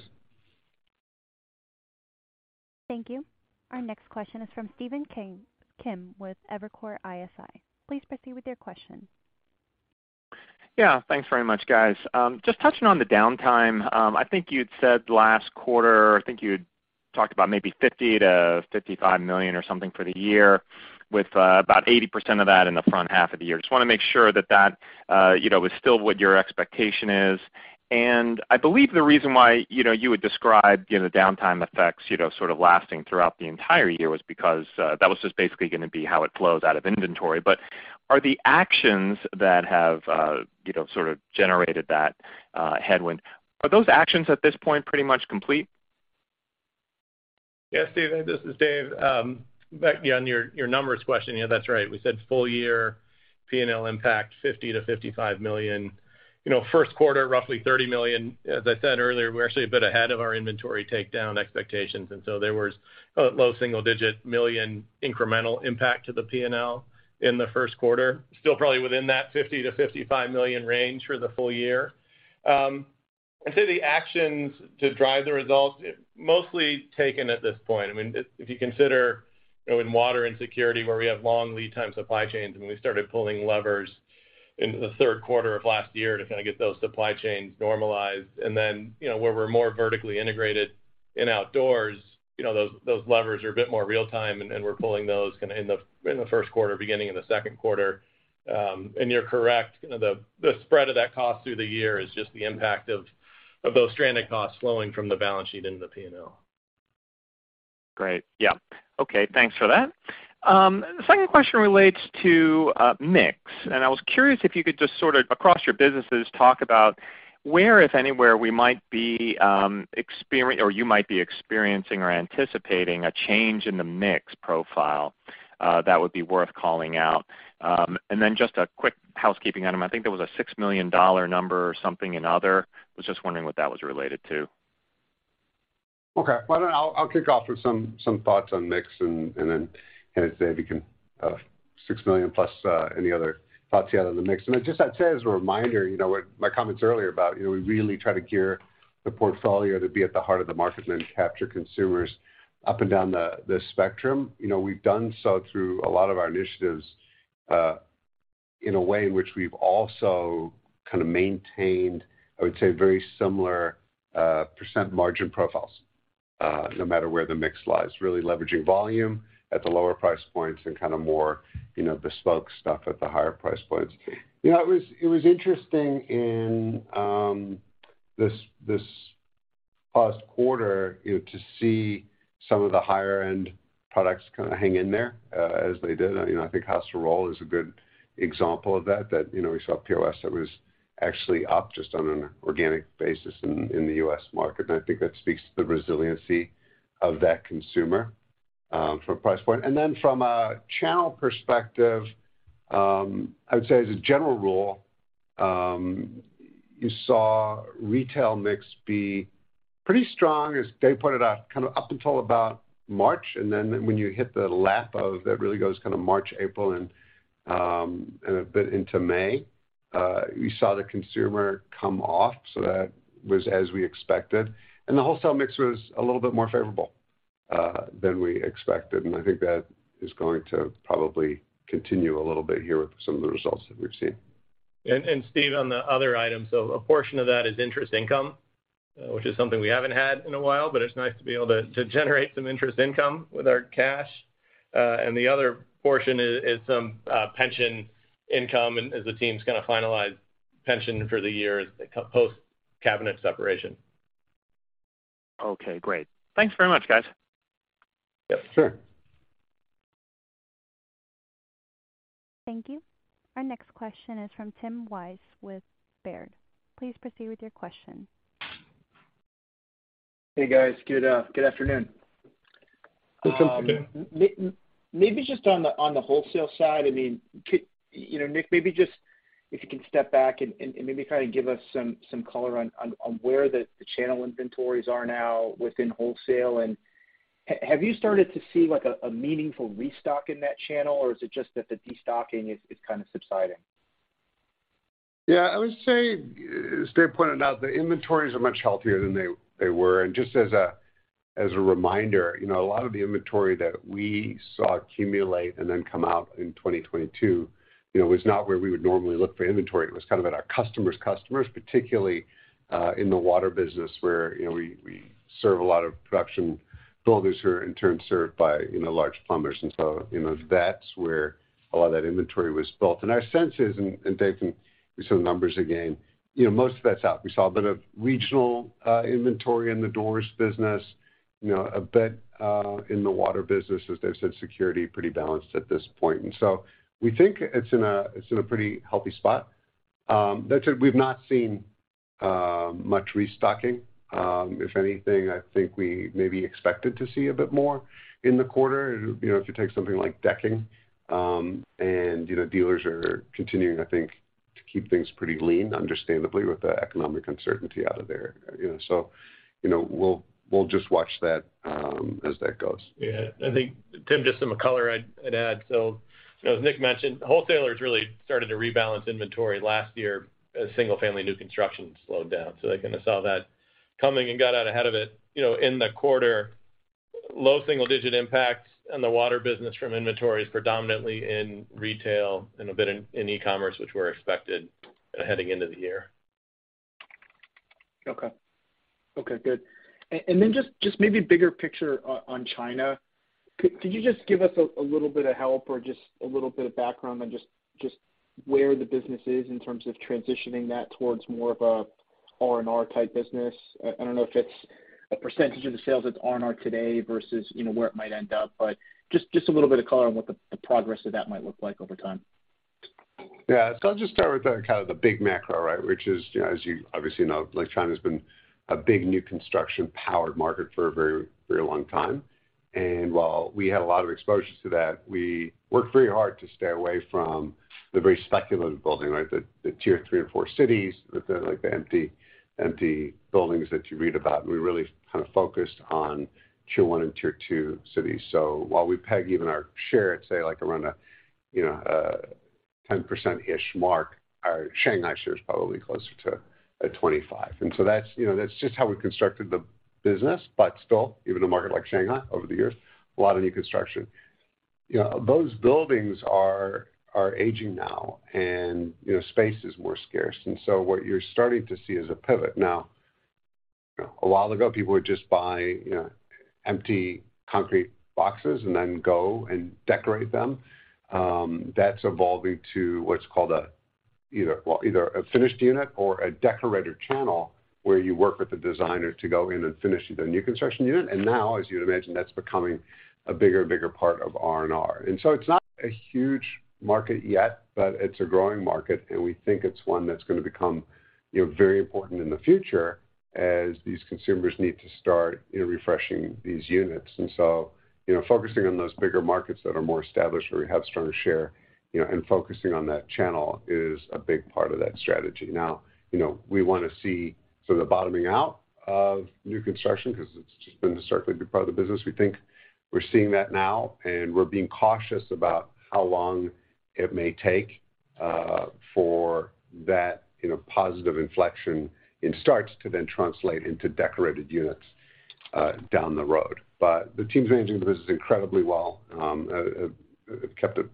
A: Thank you. Our next question is from Stephen Kim with Evercore ISI. Please proceed with your question.
G: Yeah, thanks very much, guys. Just touching on the downtime. I think you'd said last quarter, I think you had talked about maybe $50 million-$55 million or something for the year with about 80% of that in the front half of the year. Just wanna make sure that that, you know, is still what your expectation is. I believe the reason why, you know, you would describe, you know, the downtime effects, you know, sort of lasting throughout the entire year was because that was just basically gonna be how it flows out of inventory. Are the actions that have, you know, sort of generated that headwind, are those actions at this point pretty much complete?
D: Yeah, Steve, this is Dave. Back on your numbers question. Yeah, that's right. We said full year P&L impact, $50 million-$55 million. You know, first quarter, roughly $30 million. As I said earlier, we're actually a bit ahead of our inventory takedown expectations, and so there was low single-digit million incremental impact to the P&L in the first quarter. Still probably within that $50 million-$55 million range for the full year. I'd say the actions to drive the results mostly taken at this point. I mean, if you consider in Water and Security, where we have long lead time supply chains, and we started pulling levers into the third quarter of last year to kinda get those supply chains normalized, and then, you know, where we're more vertically integrated in Outdoors, you know, those levers are a bit more real-time, and we're pulling those kinda in the first quarter, beginning of the second quarter. You're correct. The spread of that cost through the year is just the impact of those stranded costs flowing from the balance sheet into the P&L.
G: Great. Yeah. Okay, thanks for that. The second question relates to mix, and I was curious if you could just sort of across your businesses, talk about where, if anywhere, we might be experiencing or anticipating a change in the mix profile that would be worth calling out. Then just a quick housekeeping item. I think there was a $6 million number or something in other. I was just wondering what that was related to.
C: Okay. Why don't I'll kick off with some thoughts on mix and then Dave, you can, $6 million plus any other thoughts you have on the mix. I just, I'd say as a reminder, you know, what my comments earlier about, you know, we really try to gear the portfolio to be at the heart of the market and capture consumers up and down the spectrum. You know, we've done so through a lot of our initiatives in a way in which we've also kind of maintained, I would say, very similar percent margin profiles no matter where the mix lies, really leveraging volume at the lower price points and kinda more, you know, bespoke stuff at the higher price points. You know, it was interesting in this past quarter, you know, to see some of the higher end products kinda hang in there as they did. You know, I think House of Rohl is a good example of that, you know, we saw POS that was actually up just on an organic basis in the U.S. market. I think that speaks to the resiliency of that consumer from a price point. From a channel perspective, I would say as a general rule, you saw retail mix be pretty strong, as Dave pointed out, kind of up until about March. When you hit the lap of that really goes kind of March, April, and a bit into May, you saw the consumer come off, so that was as we expected. The wholesale mix was a little bit more favorable than we expected, and I think that is going to probably continue a little bit here with some of the results that we've seen.
D: Steve, on the other item, a portion of that is interest income, which is something we haven't had in a while, but it's nice to be able to generate some interest income with our cash. The other portion is some pension income and as the team's gonna finalize pension for the year post cabinet separation.
G: Okay, great. Thanks very much, guys.
C: Yep.
A: Thank you. Our next question is from Tim Wojs with Baird. Please proceed with your question.
H: Hey, guys. Good, good afternoon. Maybe just on the wholesale side, I mean, you know, Nick, maybe just if you can step back and maybe kind of give us some color on where the channel inventories are now within wholesale, and have you started to see like a meaningful restock in that channel, or is it just that the destocking is kind of subsiding?
C: Yeah, I would say as Dave pointed out, the inventories are much healthier than they were. Just as a reminder, you know, a lot of the inventory that we saw accumulate and then come out in 2022, you know, was not where we would normally look for inventory. It was kind of at our customer's customers, particularly in the Water business where, you know, we serve a lot of production builders who are in turn served by, you know, large plumbers. That's where a lot of that inventory was built. Our sense is, and Dave can give some numbers again, you know, most of that's out. We saw a bit of regional inventory in the Outdoors business, you know, a bit in the Water business. As Dave said, Security pretty balanced at this point. We think it's in a pretty healthy spot. That said, we've not seen much restocking. If anything, I think we maybe expected to see a bit more in the quarter. You know, if you take something like decking, and, you know, dealers are continuing, I think, to keep things pretty lean, understandably, with the economic uncertainty out of there. You know, so, you know, we'll just watch that as that goes.
D: Yeah. I think, Tim, just some color I'd add. You know, as Nick mentioned, wholesalers really started to rebalance inventory last year as single-family new construction slowed down. They kind of saw that coming and got out ahead of it. You know, in the quarter, low single digit impacts in the water business from inventory is predominantly in retail and a bit in e-commerce, which were expected heading into the year.
H: Okay. Okay, good. Just maybe bigger picture on China. Could you just give us a little bit of help or just a little bit of background on just where the business is in terms of transitioning that towards more of a R&R type business? I don't know if it's a percentage of the sales that's R&R today versus, you know, where it might end up. Just a little bit of color on what the progress of that might look like over time.
C: Yeah. I'll just start with the kind of the big macro, right? Which is, you know, as you obviously know, like, China's been a big new construction powered market for a very, very long time. While we had a lot of exposure to that, we worked very hard to stay away from the very speculative building, right? The tier 3 and 4 cities with the, like, the empty buildings that you read about. We really kind of focused on tier 1 and tier 2 cities. While we peg even our share at, say, like, around a, you know, 10%-ish mark, our Shanghai share is probably closer to 25%. That's, you know, that's just how we constructed the business. Still, even a market like Shanghai over the years, a lot of new construction. You know, those buildings are aging now, and, you know, space is more scarce. What you're starting to see is a pivot. Now, a while ago, people would just buy, you know, empty concrete boxes and then go and decorate them. That's evolving to what's called a, either a finished unit or a decorator channel, where you work with a designer to go in and finish the new construction unit. Now, as you'd imagine, that's becoming a bigger and bigger part of R&R. It's not a huge market yet, but it's a growing market, and we think it's one that's gonna become, you know, very important in the future as these consumers need to start, you know, refreshing these units. You know, focusing on those bigger markets that are more established where we have stronger share, you know, and focusing on that channel is a big part of that strategy. You know, we wanna see sort of the bottoming out of new construction 'cause it's just been historically a big part of the business. We think we're seeing that now, and we're being cautious about how long it may take for that, you know, positive inflection in starts to then translate into decorated units down the road. The team's managing the business incredibly well. Kept it,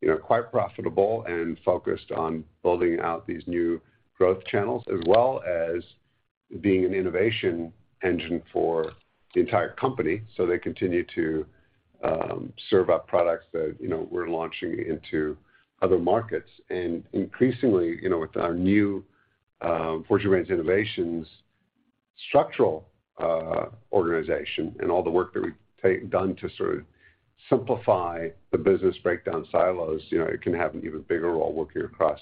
C: you know, quite profitable and focused on building out these new growth channels, as well as being an innovation engine for the entire company. They continue to serve up products that, you know, we're launching into other markets. Increasingly, you know, with our new Fortune Brands Innovations structural organization and all the work that we've done to sort of simplify the business breakdown silos, you know, it can have an even bigger role working across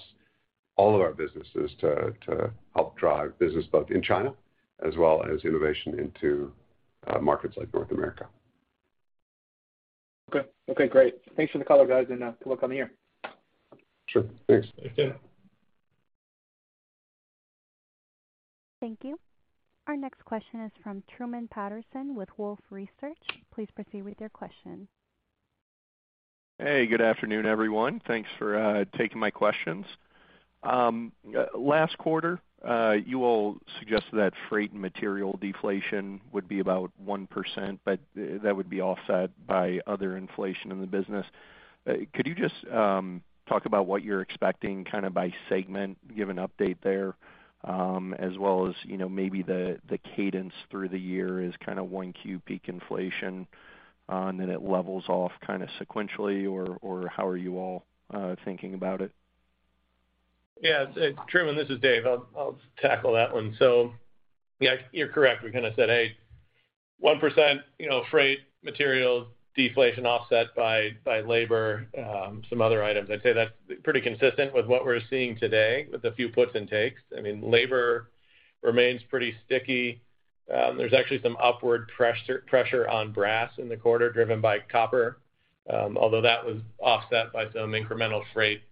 C: all of our businesses to help drive business both in China as well as innovation into markets like North America.
H: Okay. Okay, great. Thanks for the color, guys. Good luck on the year.
C: Sure. Thanks.
D: Thanks, Tim.
A: Thank you. Our next question is from Truman Patterson with Wolfe Research. Please proceed with your question.
I: Hey, good afternoon, everyone. Thanks for taking my questions. Last quarter, you all suggested that freight and material deflation would be about 1%, but that would be offset by other inflation in the business. Could you just talk about what you're expecting kind of by segment, give an update there, as well as, you know, maybe the cadence through the year is kind of 1Q peak inflation, and then it levels off kind of sequentially, or how are you all thinking about it?
D: Yeah. Truman, this is Dave. I'll tackle that one. Yeah, you're correct. We kind of said, "Hey, 1%, you know, freight material deflation offset by labor, some other items." I'd say that's pretty consistent with what we're seeing today with a few puts and takes. I mean, labor remains pretty sticky. There's actually some upward pressure on brass in the quarter driven by copper, although that was offset by some incremental freight deflation,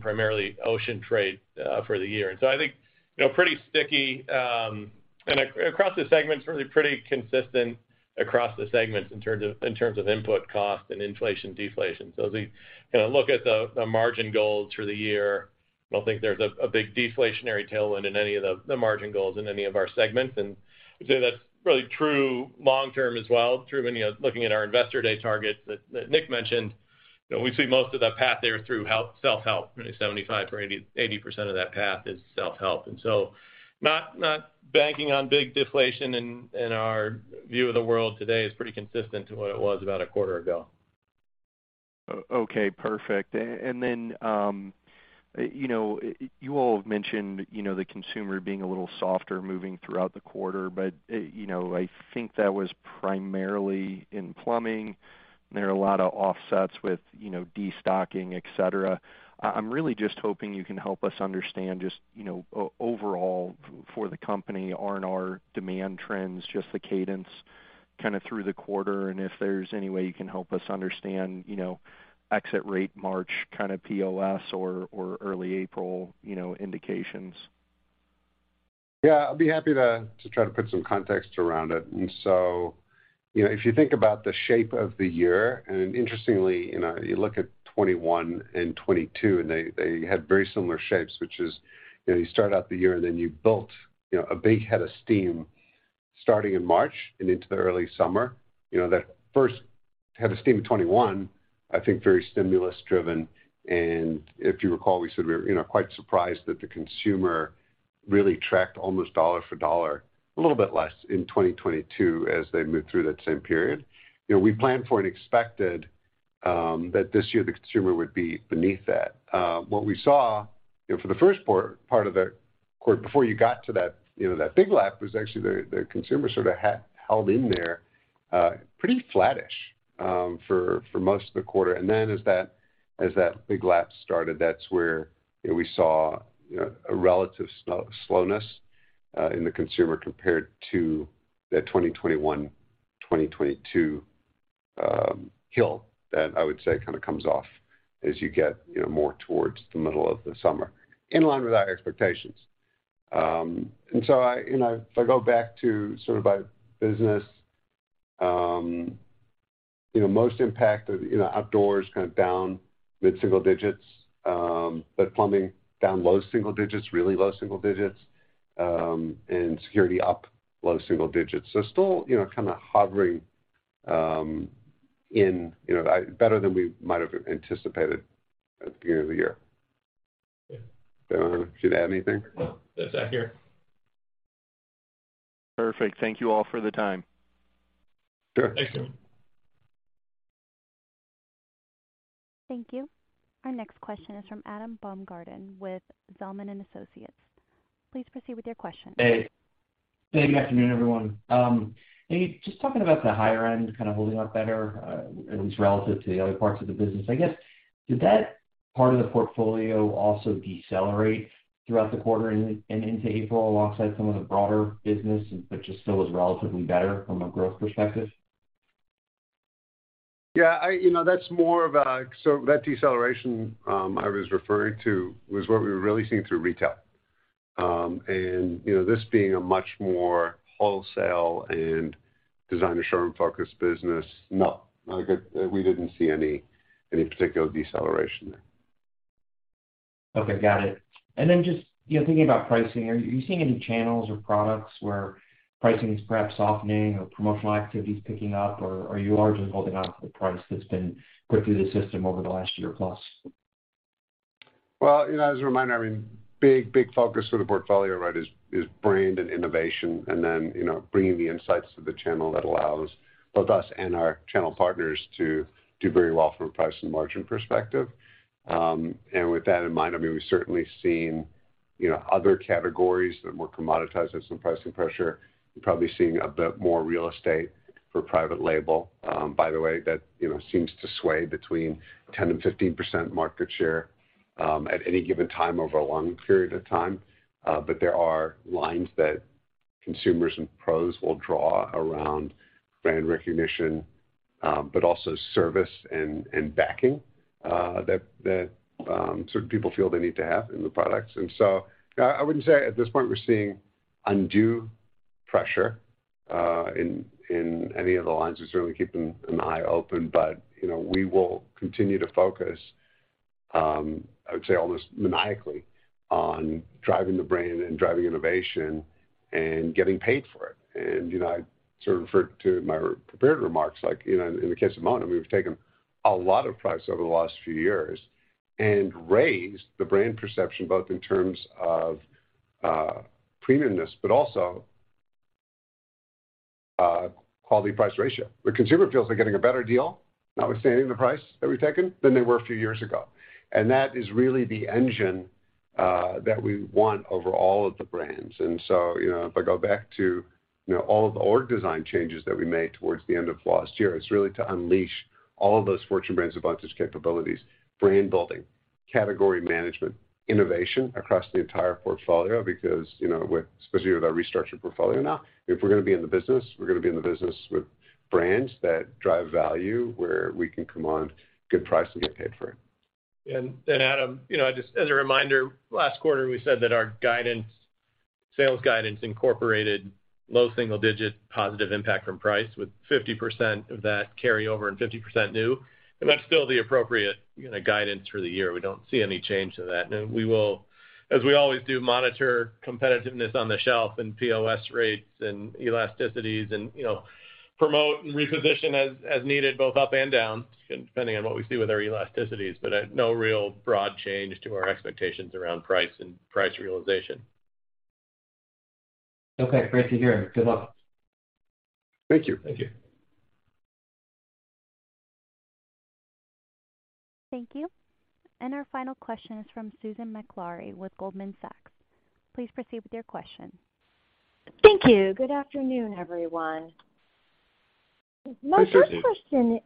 D: primarily ocean trade, for the year. I think, you know, pretty sticky, and across the segments, really pretty consistent across the segments in terms of input cost and inflation, deflation. As we kind of look at the margin goals for the year, I don't think there's a big deflationary tailwind in any of the margin goals in any of our segments. I'd say that's really true long term as well. Truman, you know, looking at our Investor Day targets that Nick mentioned, you know, we see most of that path there through self-help. Really 75% or 80% of that path is self-help. Not banking on big deflation in our view of the world today is pretty consistent to what it was about a quarter ago.
I: Okay, perfect. Then, you know, you all have mentioned, you know, the consumer being a little softer moving throughout the quarter, but, you know, I think that was primarily in plumbing. There are a lot of offsets with, you know, destocking, et cetera. I'm really just hoping you can help us understand just, you know, overall for the company, R&R demand trends, just the cadence through the quarter, and if there's any way you can help us understand, you know, exit rate March kind of POS or early April, you know, indications.
C: Yeah. I'd be happy to try to put some context around it. You know, if you think about the shape of the year, interestingly, you know, you look at 2021 and 2022, and they had very similar shapes, which is, you know, you start out the year and then you built, you know, a big head of steam starting in March and into the early summer. You know, that first head of steam in 2021, I think, very stimulus driven. If you recall, we said we were, you know, quite surprised that the consumer really tracked almost dollar for dollar, a little bit less in 2022 as they moved through that same period. You know, we planned for and expected that this year the consumer would be beneath that. What we saw, you know, for the first part of the quarter before you got to that, you know, that big lap was actually the consumer sort of held in there, pretty flattish, for most of the quarter. As that big lap started, that's where, you know, we saw, you know, a relative slowness in the consumer compared to the 2021, 2022 hill that I would say kind of comes off as you get, you know, more towards the middle of the summer, in line with our expectations. I, you know, if I go back to sort of by business, you know, most impacted, you know, Outdoors kind of down mid-single digits, but plumbing down low single digits, really low single digits, and Security up low single digits. Still, you know, kind of hovering, in, you know, Better than we might have anticipated at the beginning of the year.
D: Yeah.
C: Dave, I Don't know if you'd add anything.
D: No. That's accurate.
I: Perfect. Thank you all for the time.
C: Sure.
D: Thanks, Truman.
A: Thank you. Our next question is from Adam Baumgarten with Zelman & Associates. Please proceed with your question.
J: Hey. Hey, good afternoon, everyone. Hey, just talking about the higher end kind of holding up better, at least relative to the other parts of the business. I guess, did that part of the portfolio also decelerate throughout the quarter and into April alongside some of the broader business, just still was relatively better from a growth perspective?
C: Yeah, you know, that deceleration I was referring to was what we were really seeing through retail. You know, this being a much more wholesale and designer showroom-focused business, no. Like, we didn't see any particular deceleration there.
J: Okay. Got it. Just, you know, thinking about pricing, are you seeing any channels or products where pricing is perhaps softening or promotional activity is picking up, or are you largely holding on to the price that's been put through the system over the last year plus?
C: Well, you know, as a reminder, I mean, big, big focus for the portfolio, right, is brand and innovation and then, you know, bringing the insights to the channel that allows both us and our channel partners to do very well from a price and margin perspective. With that in mind, I mean, we've certainly seen, you know, other categories that were commoditized as some pricing pressure. You're probably seeing a bit more real estate for private label, by the way, that, you know, seems to sway between 10% and 15% market share at any given time over a long period of time. There are lines that consumers and pros will draw around brand recognition, but also service and backing, that certain people feel they need to have in the products. I wouldn't say at this point we're seeing undue pressure, in any of the lines. We're certainly keeping an eye open. You know, we will continue to focus, I would say almost maniacally on driving the brand and driving innovation and getting paid for it. You know, I sort of refer to my prepared remarks, like, you know, in the case of Moen, we've taken a lot of price over the last few years and raised the brand perception both in terms of premiumness, but also quality-price ratio. The consumer feels they're getting a better deal, notwithstanding the price that we've taken than they were a few years ago. That is really the engine that we want over all of the brands. You know, if I go back to, you know, all of the org design changes that we made towards the end of last year, it's really to unleash all of those Fortune Brands Advantage capabilities, brand building, category management, innovation across the entire portfolio. You know, with, especially with our restructured portfolio now, if we're gonna be in the business, we're gonna be in the business with brands that drive value, where we can command good price and get paid for it.
D: Adam, you know, just as a reminder, last quarter, we said that our guidance, sales guidance incorporated low single-digit positive impact from price, with 50% of that carryover and 50% new. That's still the appropriate, you know, guidance for the year. We don't see any change to that. We will, as we always do, monitor competitiveness on the shelf and POS rates and elasticities and, you know, promote and reposition as needed, both up and down, depending on what we see with our elasticities. No real broad change to our expectations around price and price realization.
J: Okay. Great to hear. Good luck.
C: Thank you.
D: Thank you.
A: Thank you. Our final question is from Susan Maklari with Goldman Sachs. Please proceed with your question.
K: Thank you. Good afternoon, everyone.
C: Hi, Susan.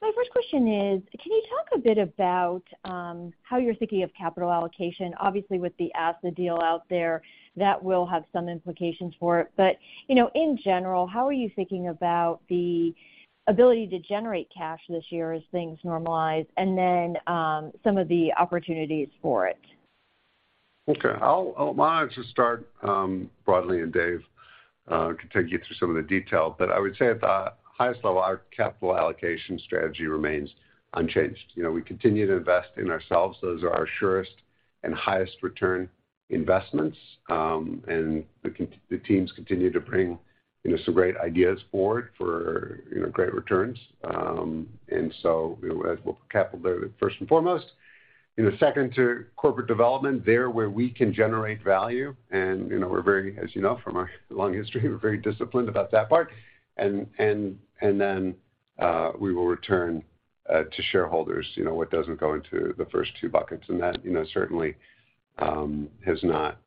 K: My first question is, can you talk a bit about how you're thinking of capital allocation? Obviously, with the ASSA deal out there, that will have some implications for it. You know, in general, how are you thinking about the ability to generate cash this year as things normalize, and then some of the opportunities for it?
C: Okay. Well, I'll just start broadly, and Dave can take you through some of the detail. I would say at the highest level, our capital allocation strategy remains unchanged. You know, we continue to invest in ourselves. Those are our surest and highest return investments. The teams continue to bring, you know, some great ideas forward for, you know, great returns. So, you know, as will capital there, first and foremost. You know, second to corporate development there where we can generate value and, you know, we're very, as you know from our long history, we're very disciplined about that part. Then we will return to shareholders, you know, what doesn't go into the first two buckets. That, you know, certainly has not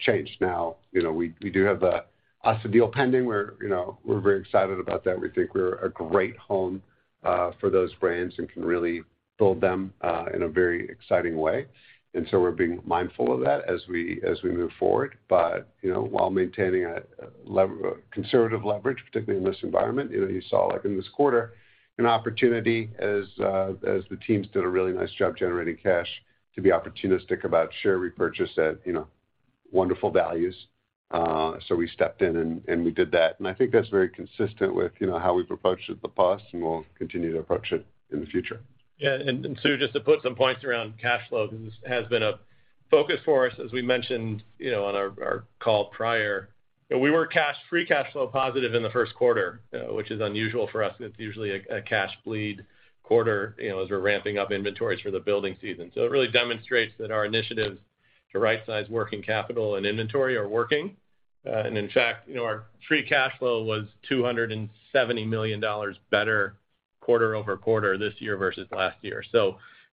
C: changed. Now, you know, we do have a ASSA deal pending. We're, you know, we're very excited about that. We think we're a great home for those brands and can really build them in a very exciting way. So we're being mindful of that as we move forward. You know, while maintaining a conservative leverage, particularly in this environment, you know, you saw like in this quarter, an opportunity as the teams did a really nice job generating cash to be opportunistic about share repurchase at, you know, wonderful values. So we stepped in and we did that. I think that's very consistent with, you know, how we've approached it in the past, and we'll continue to approach it in the future.
D: Yeah. Sue, just to put some points around cash flow, because this has been a focus for us, as we mentioned, you know, on our call prior. We were cash, free cash flow positive in the first quarter, which is unusual for us. It's usually a cash bleed quarter, you know, as we're ramping up inventories for the building season. It really demonstrates that our initiatives to right-size working capital and inventory are working. In fact, you know, our free cash flow was $270 million better quarter-over-quarter this year versus last year.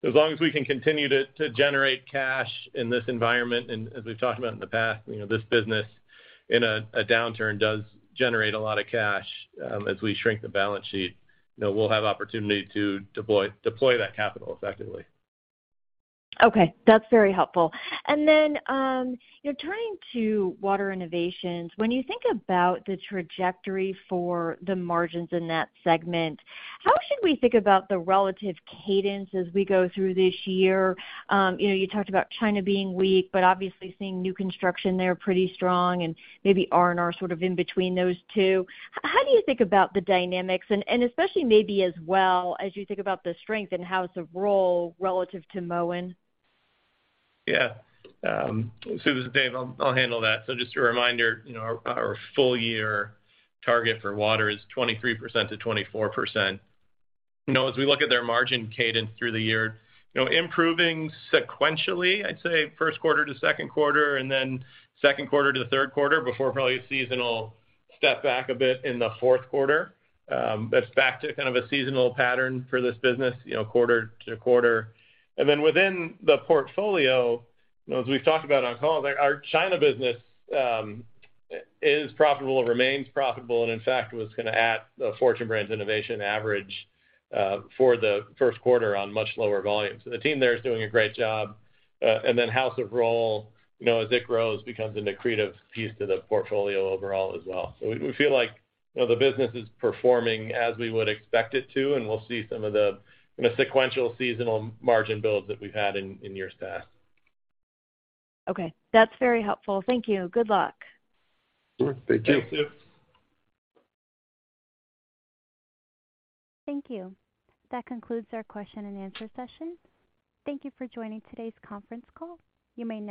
D: As long as we can continue to generate cash in this environment, and as we've talked about in the past, you know, this business in a downturn does generate a lot of cash, as we shrink the balance sheet. You know, we'll have opportunity to deploy that capital effectively.
K: Okay. That's very helpful. Then, you know, turning to Water Innovations, when you think about the trajectory for the margins in that segment, how should we think about the relative cadence as we go through this year? You know, you talked about China being weak, but obviously seeing new construction there pretty strong and maybe R&R sort of in between those two. How do you think about the dynamics and especially maybe as well as you think about the strength in House of Rohl relative to Moen?
D: Yeah. Sue, this is Dave. I'll handle that. Just a reminder, you know, our full year target for Water is 23%-24%. You know, as we look at their margin cadence through the year, you know, improving sequentially, I'd say first quarter to second quarter and then second quarter to the third quarter before probably a seasonal step back a bit in the fourth quarter. That's back to kind of a seasonal pattern for this business, you know, quarter to quarter. Then within the portfolio, you know, as we've talked about on calls, our China business is profitable, remains profitable, and in fact, was gonna add the Fortune Brands Innovations average for the first quarter on much lower volumes. The team there is doing a great job. Then House of Rohl, you know, as it grows, becomes an accretive piece to the portfolio overall as well. We, we feel like, you know, the business is performing as we would expect it to, and we'll see some of the, you know, sequential seasonal margin builds that we've had in years past.
K: Okay. That's very helpful. Thank you. Good luck.
C: Sure. Thank you.
D: Thank you.
A: Thank you. That concludes our question and answer session. Thank you for joining today's conference call. You may now disconnect.